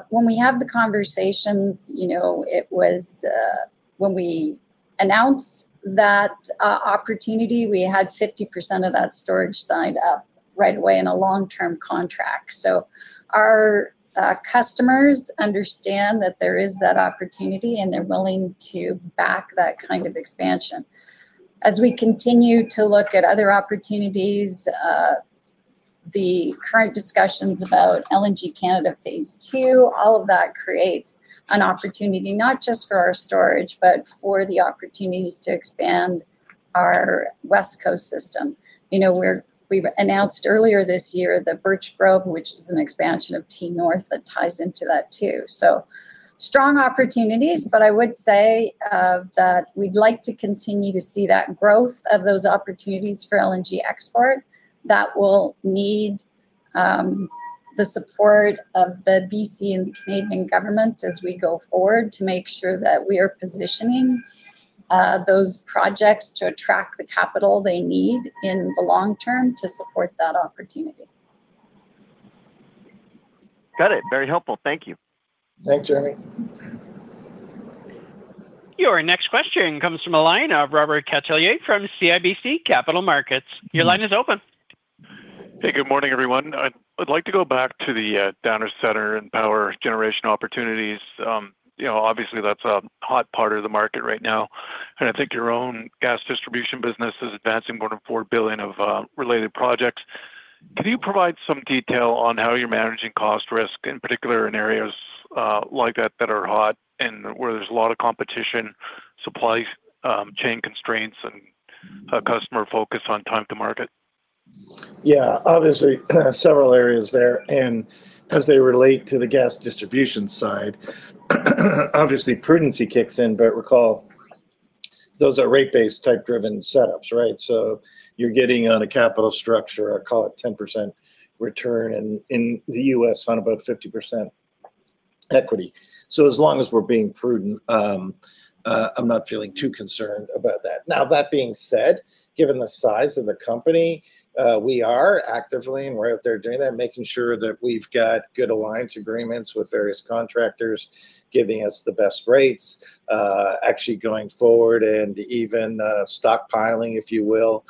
When we have the conversations, it was when we announced that opportunity, we had 50% of that storage signed up right away in a long-term contract. So our customers understand that there is that opportunity, and they're willing to back that kindof expansion. As we continue to look at other opportunities, the current discussions about LNG Canada phase two, all of that creates an opportunity not just for our storage, but for the opportunities to expand our west coast system. We've announced earlier this year the Birch Grove, which is an expansion of T-North that ties into that too. So strong opportunities, but I would say that we'd like to continue to see that growth of those opportunities for LNG export. That will need the support of the BC and Canadian government as we go forward to make sure that we are positioning those projects to attract the capital they need in the long term to support that opportunity. Got it. Very helpful. Thank you. Thanks, Jeremy. Your next question comes from a line of Robert Cattelier from CIBC Capital Markets. Your line is open. Hey, good morning, everyone. I'd like to go back to the Downer Center and power generation opportunities. Obviously, that's a hot part of the market right now. And I think your own gas distribution business is advancing more than 4 billion of related projects. Can you provide some detail on how you're managing cost risk, in particular in areas like that that are hot and where there's a lot of competition, supply chain constraints, and customer focus on time to market? Yeah. Obviously, several areas there. And as they relate to the gas distribution side, obviously, prudency kicks in, but recall, those are rate-based type-driven setups, right? So you're getting on a capital structure, I call it 10% return in the US on about 50% equity. So as long as we're being prudent, I'm not feeling too concerned about that. Now, that being said, given the size of the company, we are actively and we're out there doing that, making sure that we've got good alliance agreements with various contractors, giving us the best rates, actually going forward and even stockpiling, if you will,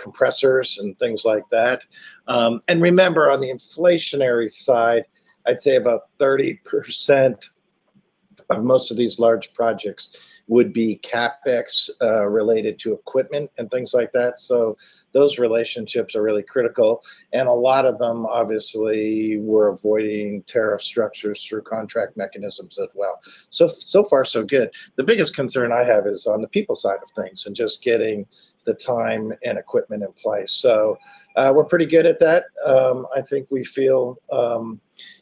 compressors and things like that. And remember, on the inflationary side, I'd say about 30% of most of these large projects would be CapEx related to equipment and things like that. So those relationships are really critical. And a lot of them, obviously, we're avoiding tariff structures through contract mechanisms as well. So far, so good. The biggest concern I have is on the people side of things and just getting the time and equipment in place. So we're pretty good at that. I think we feel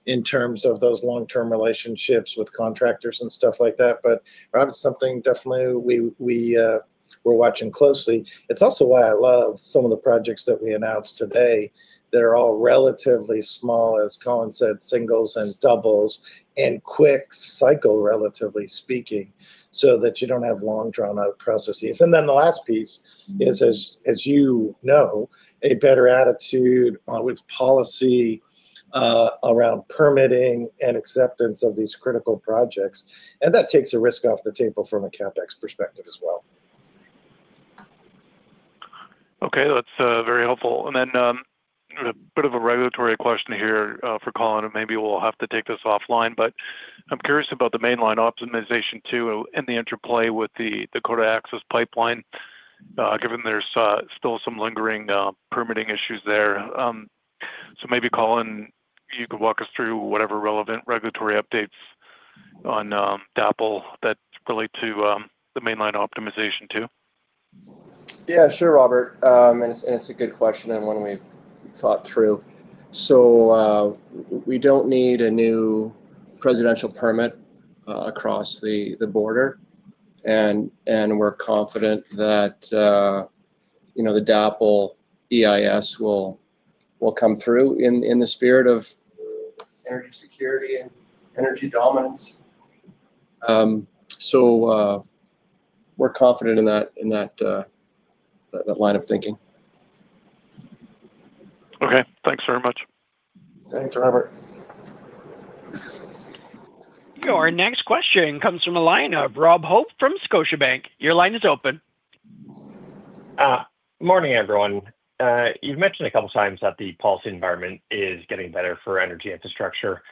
in terms of those long-term relationships with contractors and stuff like that. But probably something definitely we're watching closely. It's also why I love some of the projects that we announced today that are all relatively small, as Colin said, singles and doubles and quick cycle, relatively speaking, so that you don't have long drawn-out processes. And then the last piece is, as you know, a better attitude with policy around permitting and acceptance of these critical projects. And that takes a risk off the table from a CapEx perspective as well. Okay. That's very helpful. And then a bit of a regulatory question here for Colin. And maybe we'll have to take this offline. But I'm curious about the mainline optimization too and the interplay with the Dakota Access pipeline, given there's still some lingering permitting issues there. So maybe, Colin, you could walk us through whatever relevant regulatory updates on DAPL that relate to the mainline optimization too. Yeah, sure, Robert. And it's a good question and one we've thought through. So we don't need a new presidential permit across the border. And we're confident that the DAPL EIS will come through in the spirit of energy security and energy dominance. So we're confident in that line of thinking. Okay. Thanks very much. Thanks, Robert. Your next question comes from a line of Rob Hope from ScotiaBank. Your line is open. Good morning, everyone. You've mentioned a couple of times that the policy environment is getting better for energy infrastructure.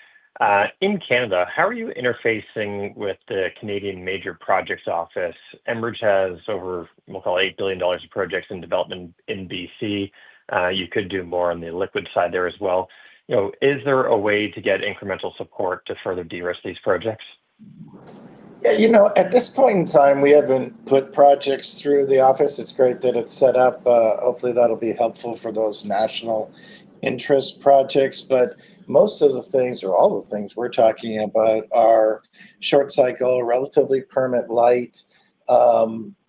In Canada, how are you interfacing with the Canadian major projects office? Enbridge has over, we'll call it, $8 billion of projects in development in BC. You could do more on the liquid side there as well. Is there a way to get incremental support to further de-risk these projects? Yeah. At this point in time, we haven't put projects through the office. It's great that it's set up. Hopefully, that'll be helpful for those national interest projects. But most of the things, or all the things we're talking about, are short cycle, relatively permit light.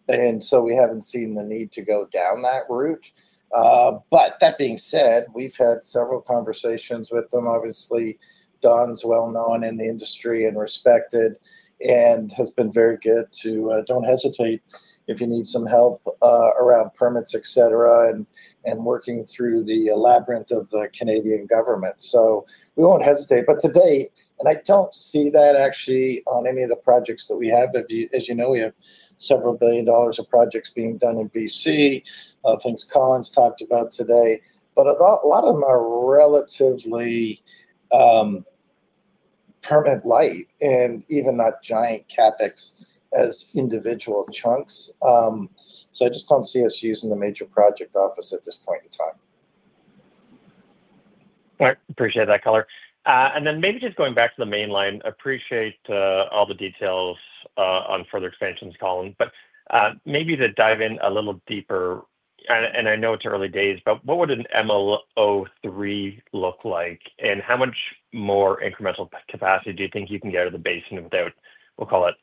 And so we haven't seen the need to go down that route. But that being said, we've had several conversations with them. Obviously, Don's well-known in the industry and respected and has been very good to don't hesitate if you need some help around permits, etc., and working through the labyrinth of the Canadian government. So we won't hesitate. But today, and I don't see that actually on any of the projects that we have. As you know, we have several billion dollars of projects being done in BC, things Colin's talked about today. But a lot of them are relatively permit light and even not giant CapEx as individual chunks. So I just don't see us using the major project office at this point in time. All right. Appreciate that, Colin. And then maybe just going back to the mainline, appreciate all the details on further expansions, Colin. But maybe to dive in a little deeper, and I know it's early days, but what would an MLO3 look like? And how much more incremental capacity do you think you can get out of the basin without, we'll call it,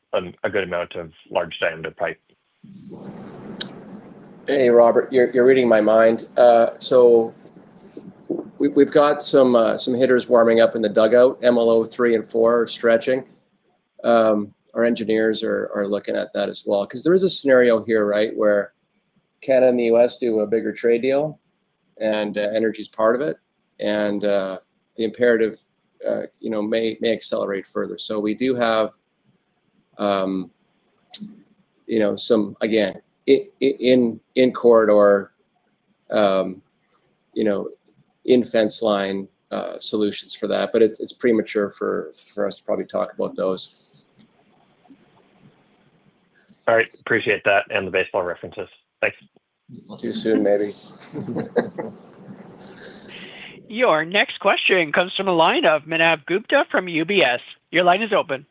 a good amount of large diameter pipe? Hey, Robert, you're reading my mind. So we've got some hitters warming up in the dugout, MLO3 and 4 stretching. Our engineers are looking at that as well. Because there is a scenario here, right, where Canada and the US do a bigger trade deal, and energy is part of it. And the imperative may accelerate further. So we do have some, again, in corridor, in fence line solutions for that. But it's premature for us to probably talk about those. All right. Appreciate that and the baseball references. Thanks. We'll do soon, maybe. Your next question comes from a line of Manav Gupta from UBS. Your line is open.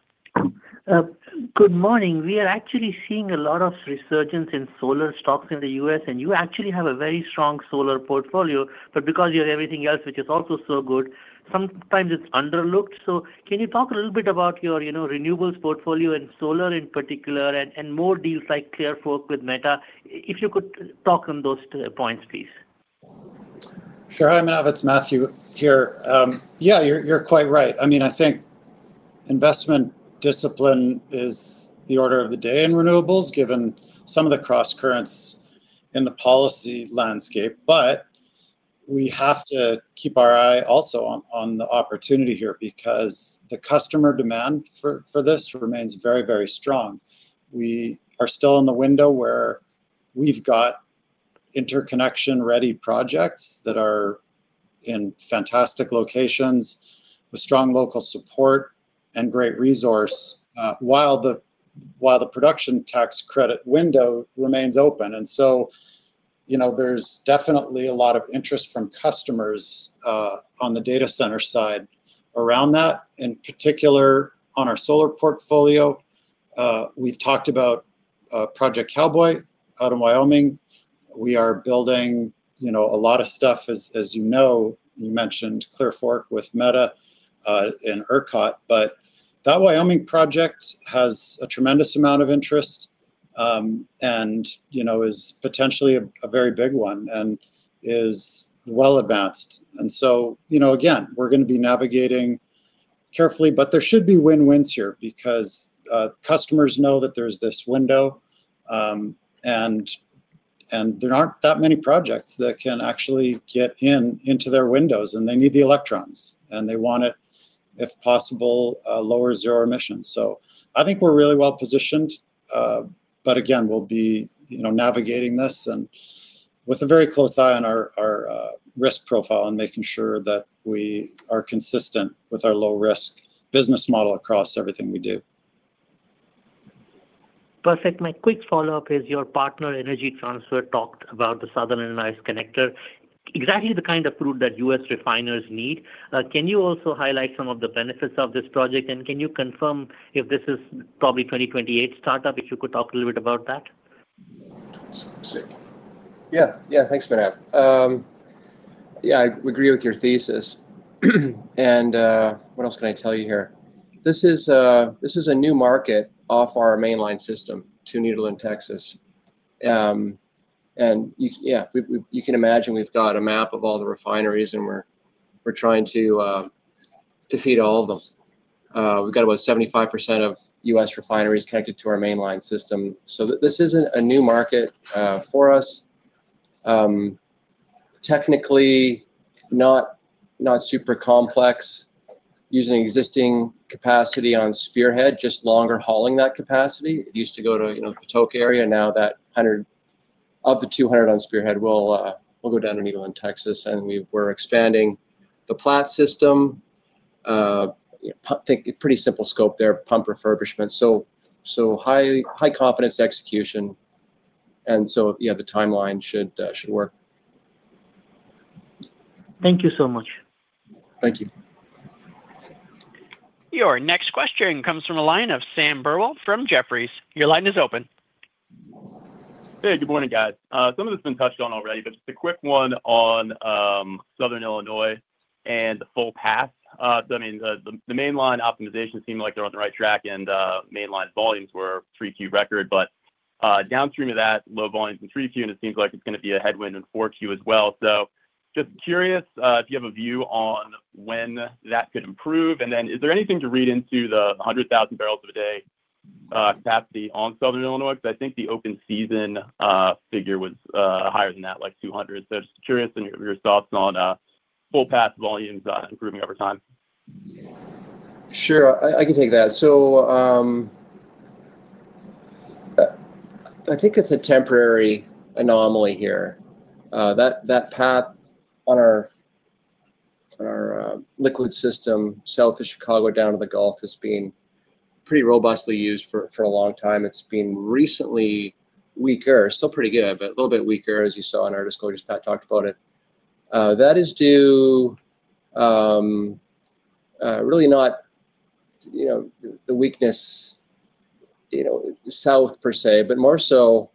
Good morning. We are actually seeing a lot of resurgence in solar stocks in the US. And you actually have a very strong solar portfolio. But because you have everything else, which is also so good, sometimes it's underlooked. So can you talk a little bit about your renewables portfolio and solar in particular and more deals like Clearfork with Meta? If you could talk on those points, please. Sure. Hi, Minhap. It's Matthew here. Yeah, you're quite right. I mean, I think investment discipline is the order of the day in renewables, given some of the cross currents in the policy landscape. But we have to keep our eye also on the opportunity here because the customer demand for this remains very, very strong. We are still in the window where we've got interconnection-ready projects that are in fantastic locations with strong local support and great resource while the production tax credit window remains open. And so there's definitely a lot of interest from customers on the data center side around that, in particular on our solar portfolio. We've talked about Project Cowboy out of Wyoming. We are building a lot of stuff, as you know. You mentioned Clearfork with Meta and ERCOT. But that Wyoming project has a tremendous amount of interest and is potentially a very big one and is well advanced. And so, again, we're going to be navigating carefully. But there should be win-wins here because customers know that there's this window, and there aren't that many projects that can actually get into their windows. And they need the electrons. And they want it, if possible, lower zero emissions. So I think we're really well positioned. But again, we'll be navigating this with a very close eye on our risk profile and making sure that we are consistent with our low-risk business model across everything we do. Perfect. My quick follow-up is your partner, Energy Transfer, talked about the Southern and Ice Connector, exactly the kind of crude that US refiners need. Can you also highlight some of the benefits of this project? And can you confirm if this is probably 2028 startup, if you could talk a little bit about that? Yeah. Yeah. Thanks, Minhap. Yeah, I agree with your thesis. And what else can I tell you here? This is a new market off our mainline system, Two Needle in Texas. And yeah, you can imagine we've got a map of all the refineries, and we're trying to feed all of them. We've got about 75% of US refineries connected to our mainline system. So this isn't a new market for us. Technically, not super complex. Using existing capacity on Spearhead, just longer hauling that capacity. It used to go to the Patoka area. Now that 100 of the 200 on Spearhead will go down to Needle in Texas. And we're expanding the Plat system with pretty simple scope there, pump refurbishment. So high confidence execution. And so yeah, the timeline should work. Thank you so much. Thank you. Your next question comes from a line of Sam Burwell from Jefferies. Your line is open. Hey, good morning, guys. Some of this has been touched on already, but just a quick one on Southern Illinois and the full path. I mean, the mainline optimization seemed like they're on the right track, and mainline volumes were 3Q record. But downstream of that, low volumes in 3Q, and it seems like it's going to be a headwind in 4Q as well. So just curious if you have a view on when that could improve. And then is there anything to read into the 100,000 barrels of a day capacity on Southern Illinois? Because I think the open season figure was higher than that, like 200. So just curious on your thoughts on full path volumes improving over time. Sure. I can take that. So I think it's a temporary anomaly here. That path on our liquid system, south of Chicago, down to the Gulf, has been pretty robustly used for a long time. It's been recently weaker. Still pretty good, but a little bit weaker, as you saw in our discourse just talked about it. That is due really not the weakness south per se, but more so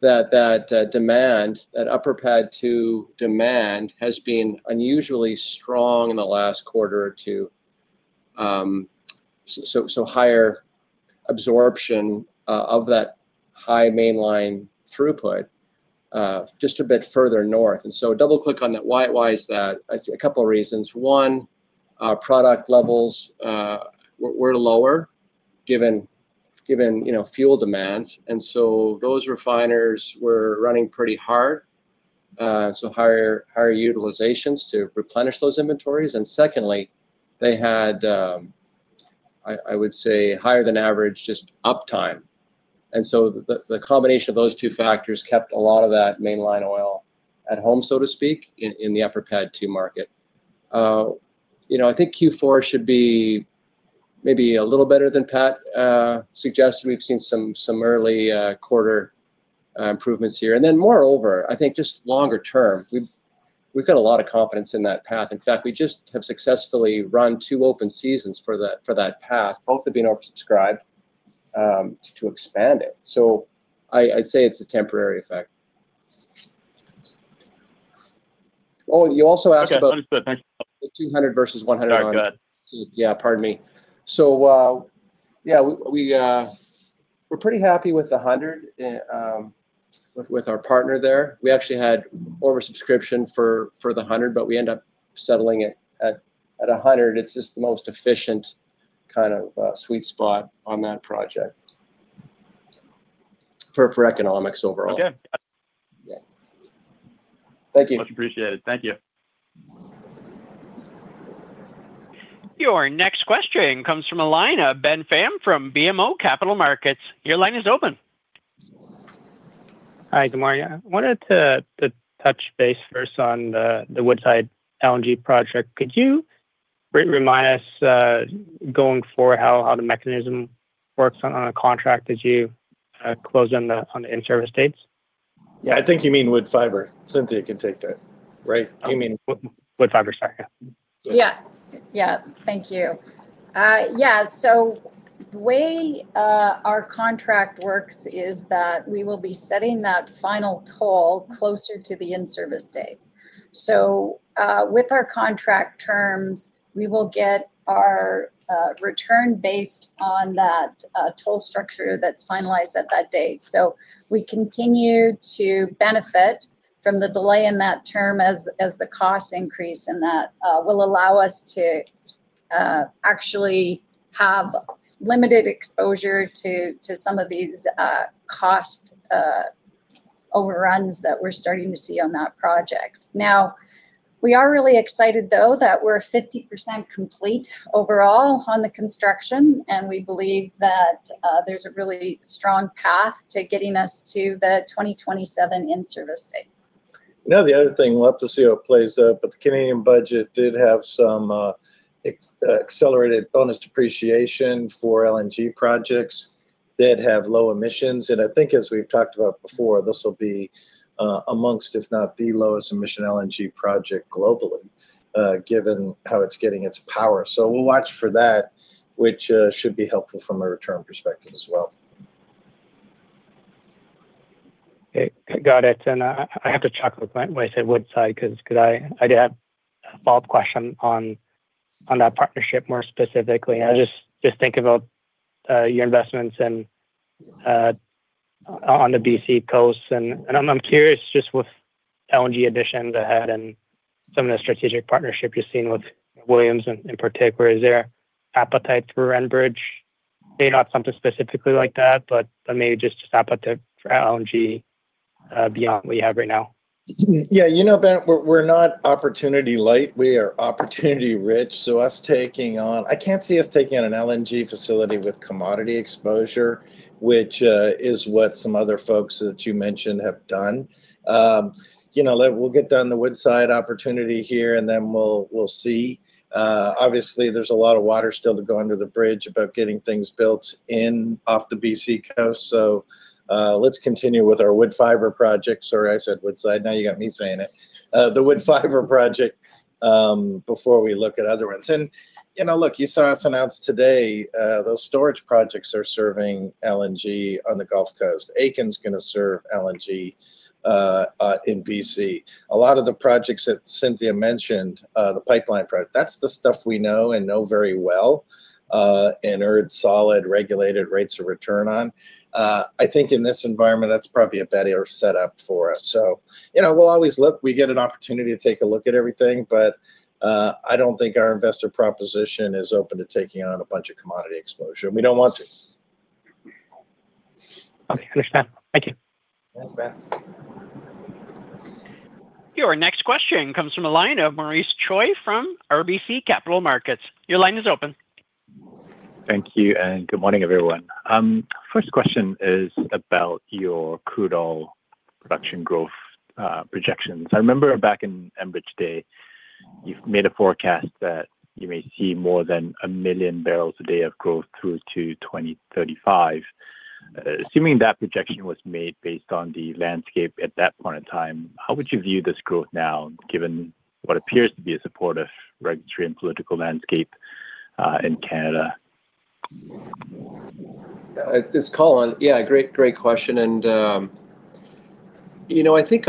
that demand, that upper pad to demand has been unusually strong in the last quarter or two. So higher absorption of that high mainline throughput just a bit further north. And so double-click on that. Why is that? A couple of reasons. One, product levels were lower given fuel demands. And so those refiners were running pretty hard. So higher utilizations to replenish those inventories. And secondly, they had, I would say, higher than average just uptime. And so the combination of those two factors kept a lot of that mainline oil at home, so to speak, in the upper pad to market. I think Q4 should be maybe a little better than Pat suggested. We've seen some early quarter improvements here. And then moreover, I think just longer term, we've got a lot of confidence in that path. In fact, we just have successfully run two open seasons for that path, both have been oversubscribed to expand it. So I'd say it's a temporary effect. Oh, you also asked about 200 versus 100. Sorry. Go ahead. Yeah, pardon me. So yeah, we're pretty happy with 100 with our partner there. We actually had oversubscription for the 100, but we end up settling at 100. It's just the most efficient kind of sweet spot on that project for economics overall. Okay. Yeah. Thank you. Much appreciated. Thank you. Your next question comes from a line of Ben Pham from BMO Capital Markets. Your line is open. Hi, good morning. I wanted to touch base first on the Woodside LNG project. Could you remind us going forward how the mechanism works on a contract as you close in on the in-service dates? Yeah. I think you mean wood fiber. Cynthia can take that. Right? You mean wood fiber. Sorry. Yeah. Yeah. Thank you. Yeah. So the way our contract works is that we will be setting that final toll closer to the in-service date. So with our contract terms, we will get our return based on that toll structure that's finalized at that date. So we continue to benefit from the delay in that term as the costs increase and that will allow us to actually have limited exposure to some of these cost overruns that we're starting to see on that project. Now, we are really excited, though, that we're 50% complete overall on the construction. And we believe that there's a really strong path to getting us to the 2027 in-service date. Now, the other thing, Leptosil plays up. But the Canadian budget did have some accelerated bonus depreciation for LNG projects that have low emissions. And I think, as we've talked about before, this will be amongst, if not the lowest emission LNG project globally, given how it's getting its power. So we'll watch for that, which should be helpful from a return perspective as well. Got it. And I have to chuckle when I say Woodside because I did have a follow-up question on that partnership more specifically. I just think about your investments on the BC coast. And I'm curious just with LNG additions ahead and some of the strategic partnership you've seen with Williams in particular, is there appetite for Enbridge? Maybe not something specifically like that, but maybe just appetite for LNG beyond what you have right now. Yeah. You know, Ben, we're not opportunity light. We are opportunity rich. So us taking on I can't see us taking on an LNG facility with commodity exposure, which is what some other folks that you mentioned have done. We'll get done the Woodside opportunity here, and then we'll see. Obviously, there's a lot of water still to go under the bridge about getting things built in off the BC coast. So let's continue with our wood fiber project. Sorry, I said Woodside. Now you got me saying it. The wood fiber project before we look at other ones. And look, you saw us announce today those storage projects are serving LNG on the Gulf Coast. Aitken's going to serve LNG in BC. A lot of the projects that Cynthia mentioned, the pipeline project, that's the stuff we know and know very well and earned solid regulated rates of return on. I think in this environment, that's probably a better setup for us. So we'll always look. We get an opportunity to take a look at everything. But I don't think our investor proposition is open to taking on a bunch of commodity exposure. And we don't want to. Okay. Understand. Thank you. Thanks, Ben. Your next question comes from a line of Maurice Choi from RBC Capital Markets. Your line is open. Thank you. And good morning, everyone. First question is about your crude oil production growth projections. I remember back in Enbridge day, you've made a forecast that you may see more than a million barrels a day of growth through to 2035. Assuming that projection was made based on the landscape at that point in time, how would you view this growth now given what appears to be a supportive regulatory and political landscape in Canada? Just call on. Yeah. Great, great question. And I think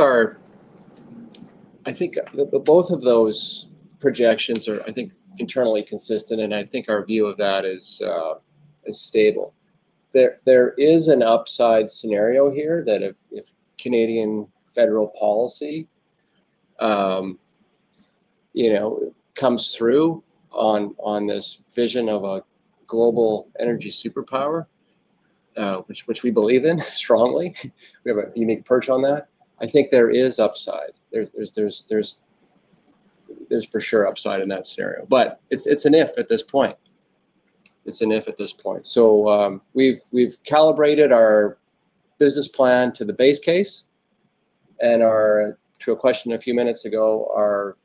both of those projections are, I think, internally consistent. And I think our view of that is stable. There is an upside scenario here that if Canadian federal policy comes through on this vision of a global energy superpower, which we believe in strongly, we have a unique perch on that, I think there is upside. There's for sure upside in that scenario. But it's an if at this point. It's an if at this point. So we've calibrated our business plan to the base case. And to a question a few minutes ago, are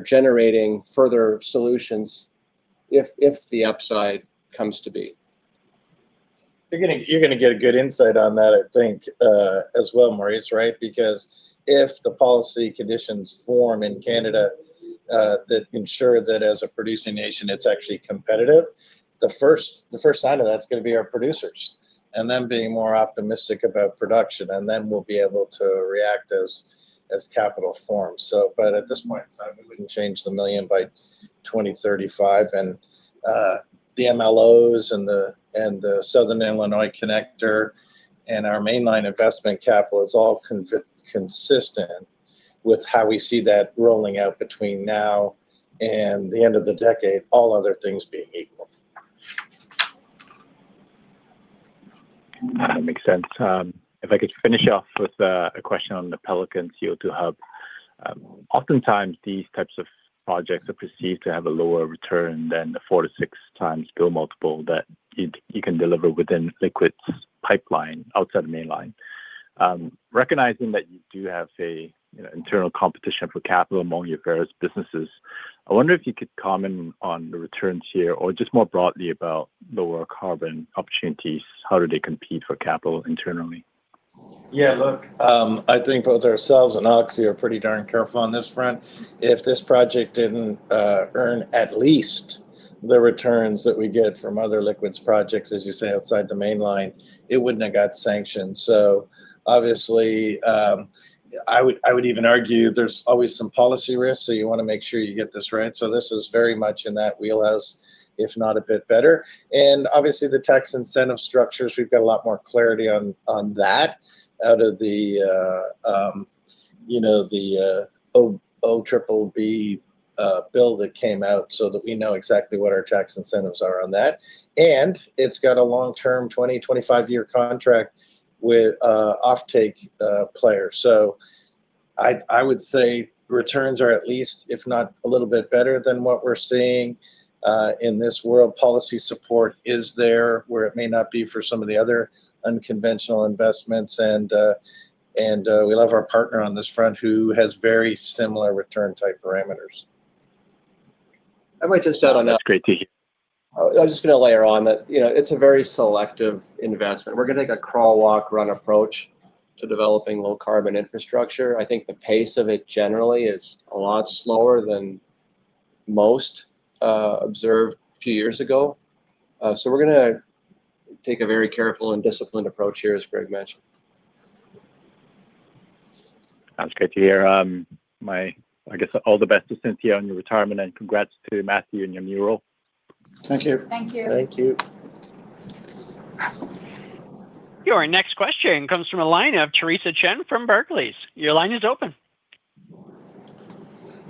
generating further solutions if the upside comes to be. You're going to get a good insight on that, I think, as well, Maurice, right? Because if the policy conditions form in Canada that ensure that as a producing nation, it's actually competitive, the first sign of that's going to be our producers and them being more optimistic about production. And then we'll be able to react as capital forms. But at this point in time, we wouldn't change the million by 2035. And the MLOs and the Southern Illinois connector and our mainline investment capital is all consistent with how we see that rolling out between now and the end of the decade, all other things being equal. That makes sense. If I could finish off with a question on the Pelican CO2 hub. Oftentimes, these types of projects are perceived to have a lower return than the four to six times bill multiple that you can deliver within liquid pipeline outside the mainline. Recognizing that you do have an internal competition for capital among your various businesses, I wonder if you could comment on the returns here or just more broadly about lower carbon opportunities. How do they compete for capital internally? Yeah. Look, I think both ourselves and Oxy are pretty darn careful on this front. If this project didn't earn at least the returns that we get from other liquids projects, as you say, outside the mainline, it wouldn't have got sanctioned. So obviously, I would even argue there's always some policy risk. So you want to make sure you get this right. So this is very much in that wheelhouse, if not a bit better. And obviously, the tax incentive structures, we've got a lot more clarity on that out of the OBB bill that came out so that we know exactly what our tax incentives are on that. And it's got a long-term 20, 25-year contract with offtake players. So I would say returns are at least, if not a little bit better than what we're seeing in this world. Policy support is there where it may not be for some of the other unconventional investments. And we love our partner on this front who has very similar return type parameters. I might just add on that. That's great to hear. I was just going to layer on that it's a very selective investment. We're going to take a crawl-walk-run approach to developing low-carbon infrastructure. I think the pace of it generally is a lot slower than most observed a few years ago. So we're going to take a very careful and disciplined approach here, as Greg mentioned. Sounds good to hear. I guess all the best to Cynthia on your retirement. And congrats to Matthew and your mural. Thank you. Thank you. Thank you. Your next question comes from a line of Teresa Chen from Berkeley. Your line is open.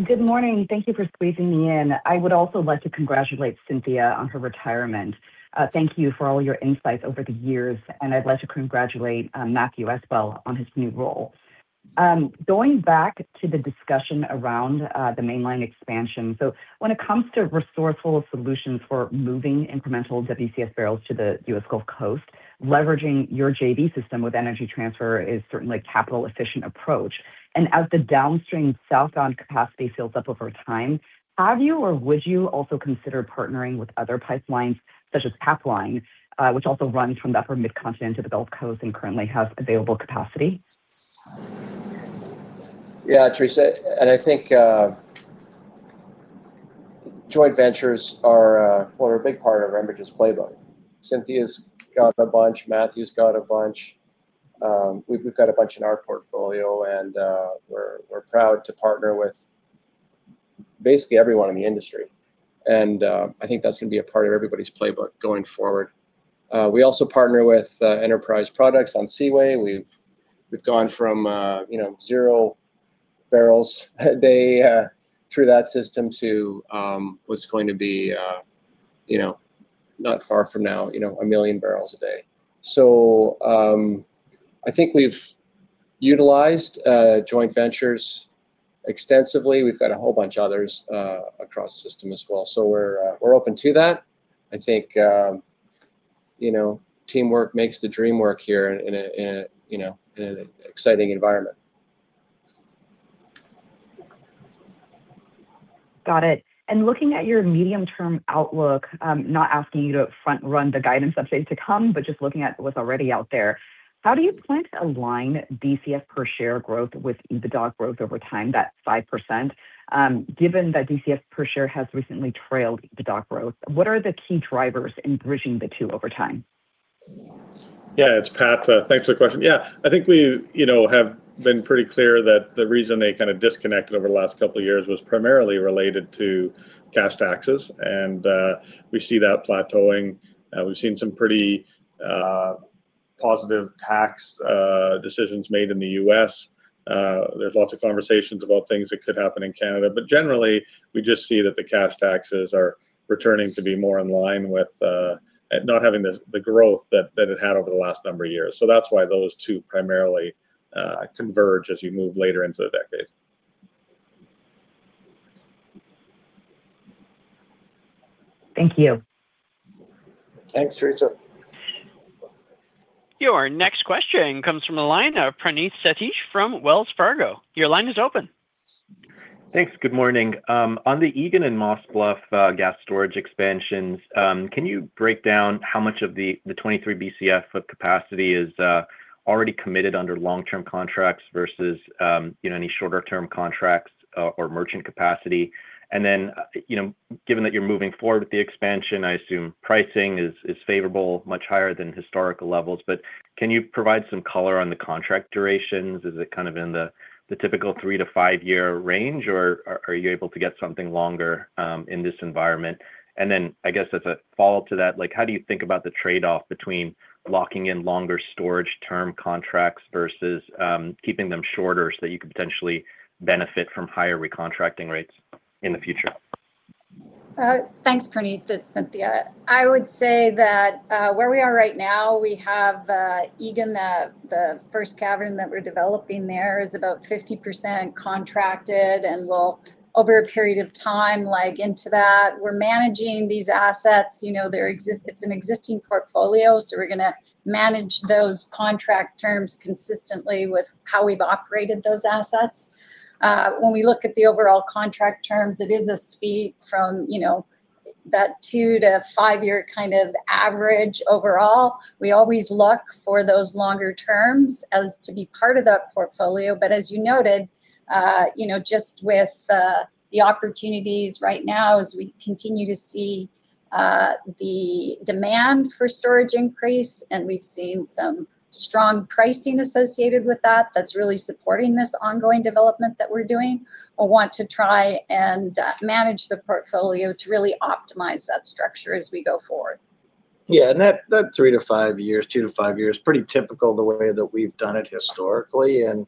Good morning. Thank you for squeezing me in. I would also like to congratulate Cynthia on her retirement. Thank you for all your insights over the years. And I'd like to congratulate Matthew as well on his new role. Going back to the discussion around the mainline expansion. So when it comes to resourceful solutions for moving incremental WCS barrels to the US Gulf Coast, leveraging your JV system with energy transfer is certainly a capital-efficient approach. And as the downstream southbound capacity fills up over time, have you or would you also consider partnering with other pipelines such as Pathline, which also runs from the upper Mid-Continent to the Gulf Coast and currently has available capacity? Yeah, Teresa. And I think joint ventures are a big part of Enbridge's playbook. Cynthia's got a bunch. Matthew's got a bunch. We've got a bunch in our portfolio. And we're proud to partner with basically everyone in the industry. And I think that's going to be a part of everybody's playbook going forward. We also partner with Enterprise Products on Seaway. We've gone from zero barrels a day through that system to what's going to be not far from now a million barrels a day. So I think we've utilized joint ventures extensively. We've got a whole bunch of others across the system as well. So we're open to that. I think teamwork makes the dream work here in an exciting environment. Got it. And looking at your medium-term outlook, not asking you to front-run the guidance updates to come, but just looking at what's already out there, how do you plan to align DCF per share growth with EBITDA growth over time, that 5%? Given that DCF per share has recently trailed EBITDA growth, what are the key drivers in bridging the two over time? Yeah. Thanks for the question. Yeah. I think we have been pretty clear that the reason they kind of disconnected over the last couple of years was primarily related to cash taxes. And we see that plateauing. We've seen some pretty positive tax decisions made in the US. There's lots of conversations about things that could happen in Canada. But generally, we just see that the cash taxes are returning to be more in line with not having the growth that it had over the last number of years. So that's why those two primarily converge as you move later into the decade. Thank you. Thanks, Teresa. Your next question comes from a line of Praneeth Satish from Wells Fargo. Your line is open. Thanks. Good morning. On the Egan and Moss Bluff gas storage expansions, can you break down how much of the 23 Bcf of capacity is already committed under long-term contracts versus any shorter-term contracts or merchant capacity? And then given that you're moving forward with the expansion, I assume pricing is favorable, much higher than historical levels. But can you provide some color on the contract durations? Is it kind of in the typical three to five-year range, or are you able to get something longer in this environment? And then I guess as a follow-up to that, how do you think about the trade-off between locking in longer storage-term contracts versus keeping them shorter so that you could potentially benefit from higher recontracting rates in the future? Thanks, Praneeth, Cynthia. I would say that where we are right now, we have Egan, the first cavern that we're developing there is about 50% contracted. And over a period of time, into that, we're managing these assets. It's an existing portfolio. So we're going to manage those contract terms consistently with how we've operated those assets. When we look at the overall contract terms, it is a speed from that two to five-year kind of average overall. We always look for those longer terms as to be part of that portfolio. But as you noted, just with the opportunities right now, as we continue to see the demand for storage increase, and we've seen some strong pricing associated with that that's really supporting this ongoing development that we're doing, we'll want to try and manage the portfolio to really optimize that structure as we go forward. Yeah. And that three to five years, two to five years, pretty typical the way that we've done it historically. And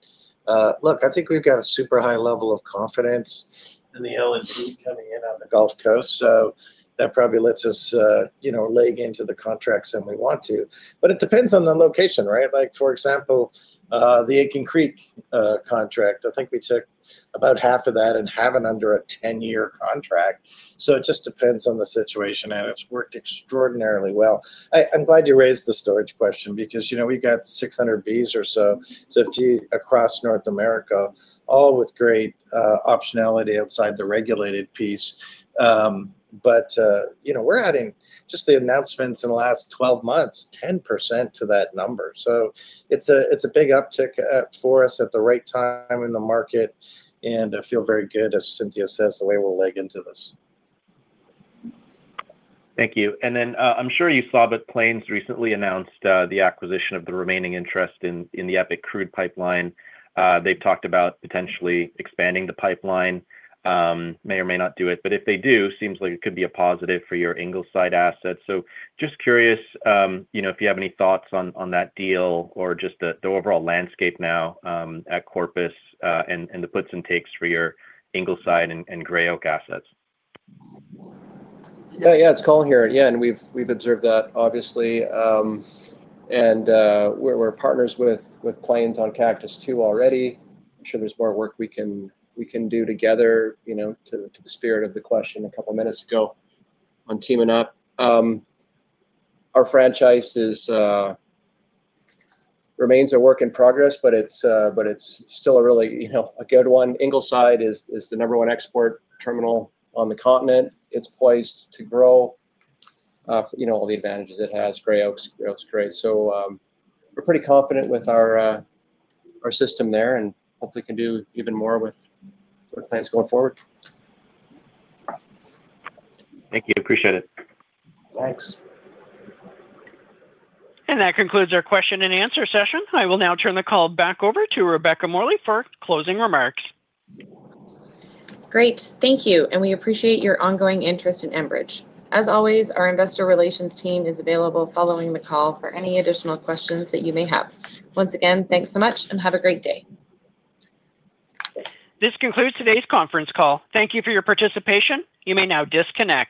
look, I think we've got a super high level of confidence in the LNG coming in on the Gulf Coast. So that probably lets us lay into the contracts that we want to. But it depends on the location, right? For example, the Aitken Creek contract, I think we took about half of that and have it under a 10-year contract. So it just depends on the situation. And it's worked extraordinarily well. I'm glad you raised the storage question because we've got 600 Bs or so, so a few across North America, all with great optionality outside the regulated piece. But we're adding just the announcements in the last 12 months, 10% to that number. So it's a big uptick for us at the right time in the market. I feel very good, as Cynthia says, the way we'll leg into this. Thank you. I'm sure you saw that Plains recently announced the acquisition of the remaining interest in the Epic crude pipeline. They've talked about potentially expanding the pipeline. May or may not do it. If they do, it seems like it could be a positive for your Ingleside assets. Just curious if you have any thoughts on that deal or just the overall landscape now at Corpus and the puts and takes for your Ingleside and Gray Oak assets. Yeah. It's Colin here. We've observed that, obviously. We're partners with Plains on Cactus 2 already. I'm sure there's more work we can do together to the spirit of the question a couple of minutes ago on teaming up. Our franchise remains a work in progress, but it's still a really good one. Ingleside is the number one export terminal on the continent. It's poised to grow, all the advantages it has. Gray Oak's great. We are pretty confident with our system there and hopefully can do even more with Plains going forward. Thank you. Appreciate it. Thanks. That concludes our question and answer session. I will now turn the call back over to Rebecca Morley for closing remarks. Great. Thank you. We appreciate your ongoing interest in Enbridge. As always, our investor relations team is available following the call for any additional questions that you may have. Once again, thanks so much and have a great day. This concludes today's conference call. Thank you for your participation. You may now disconnect.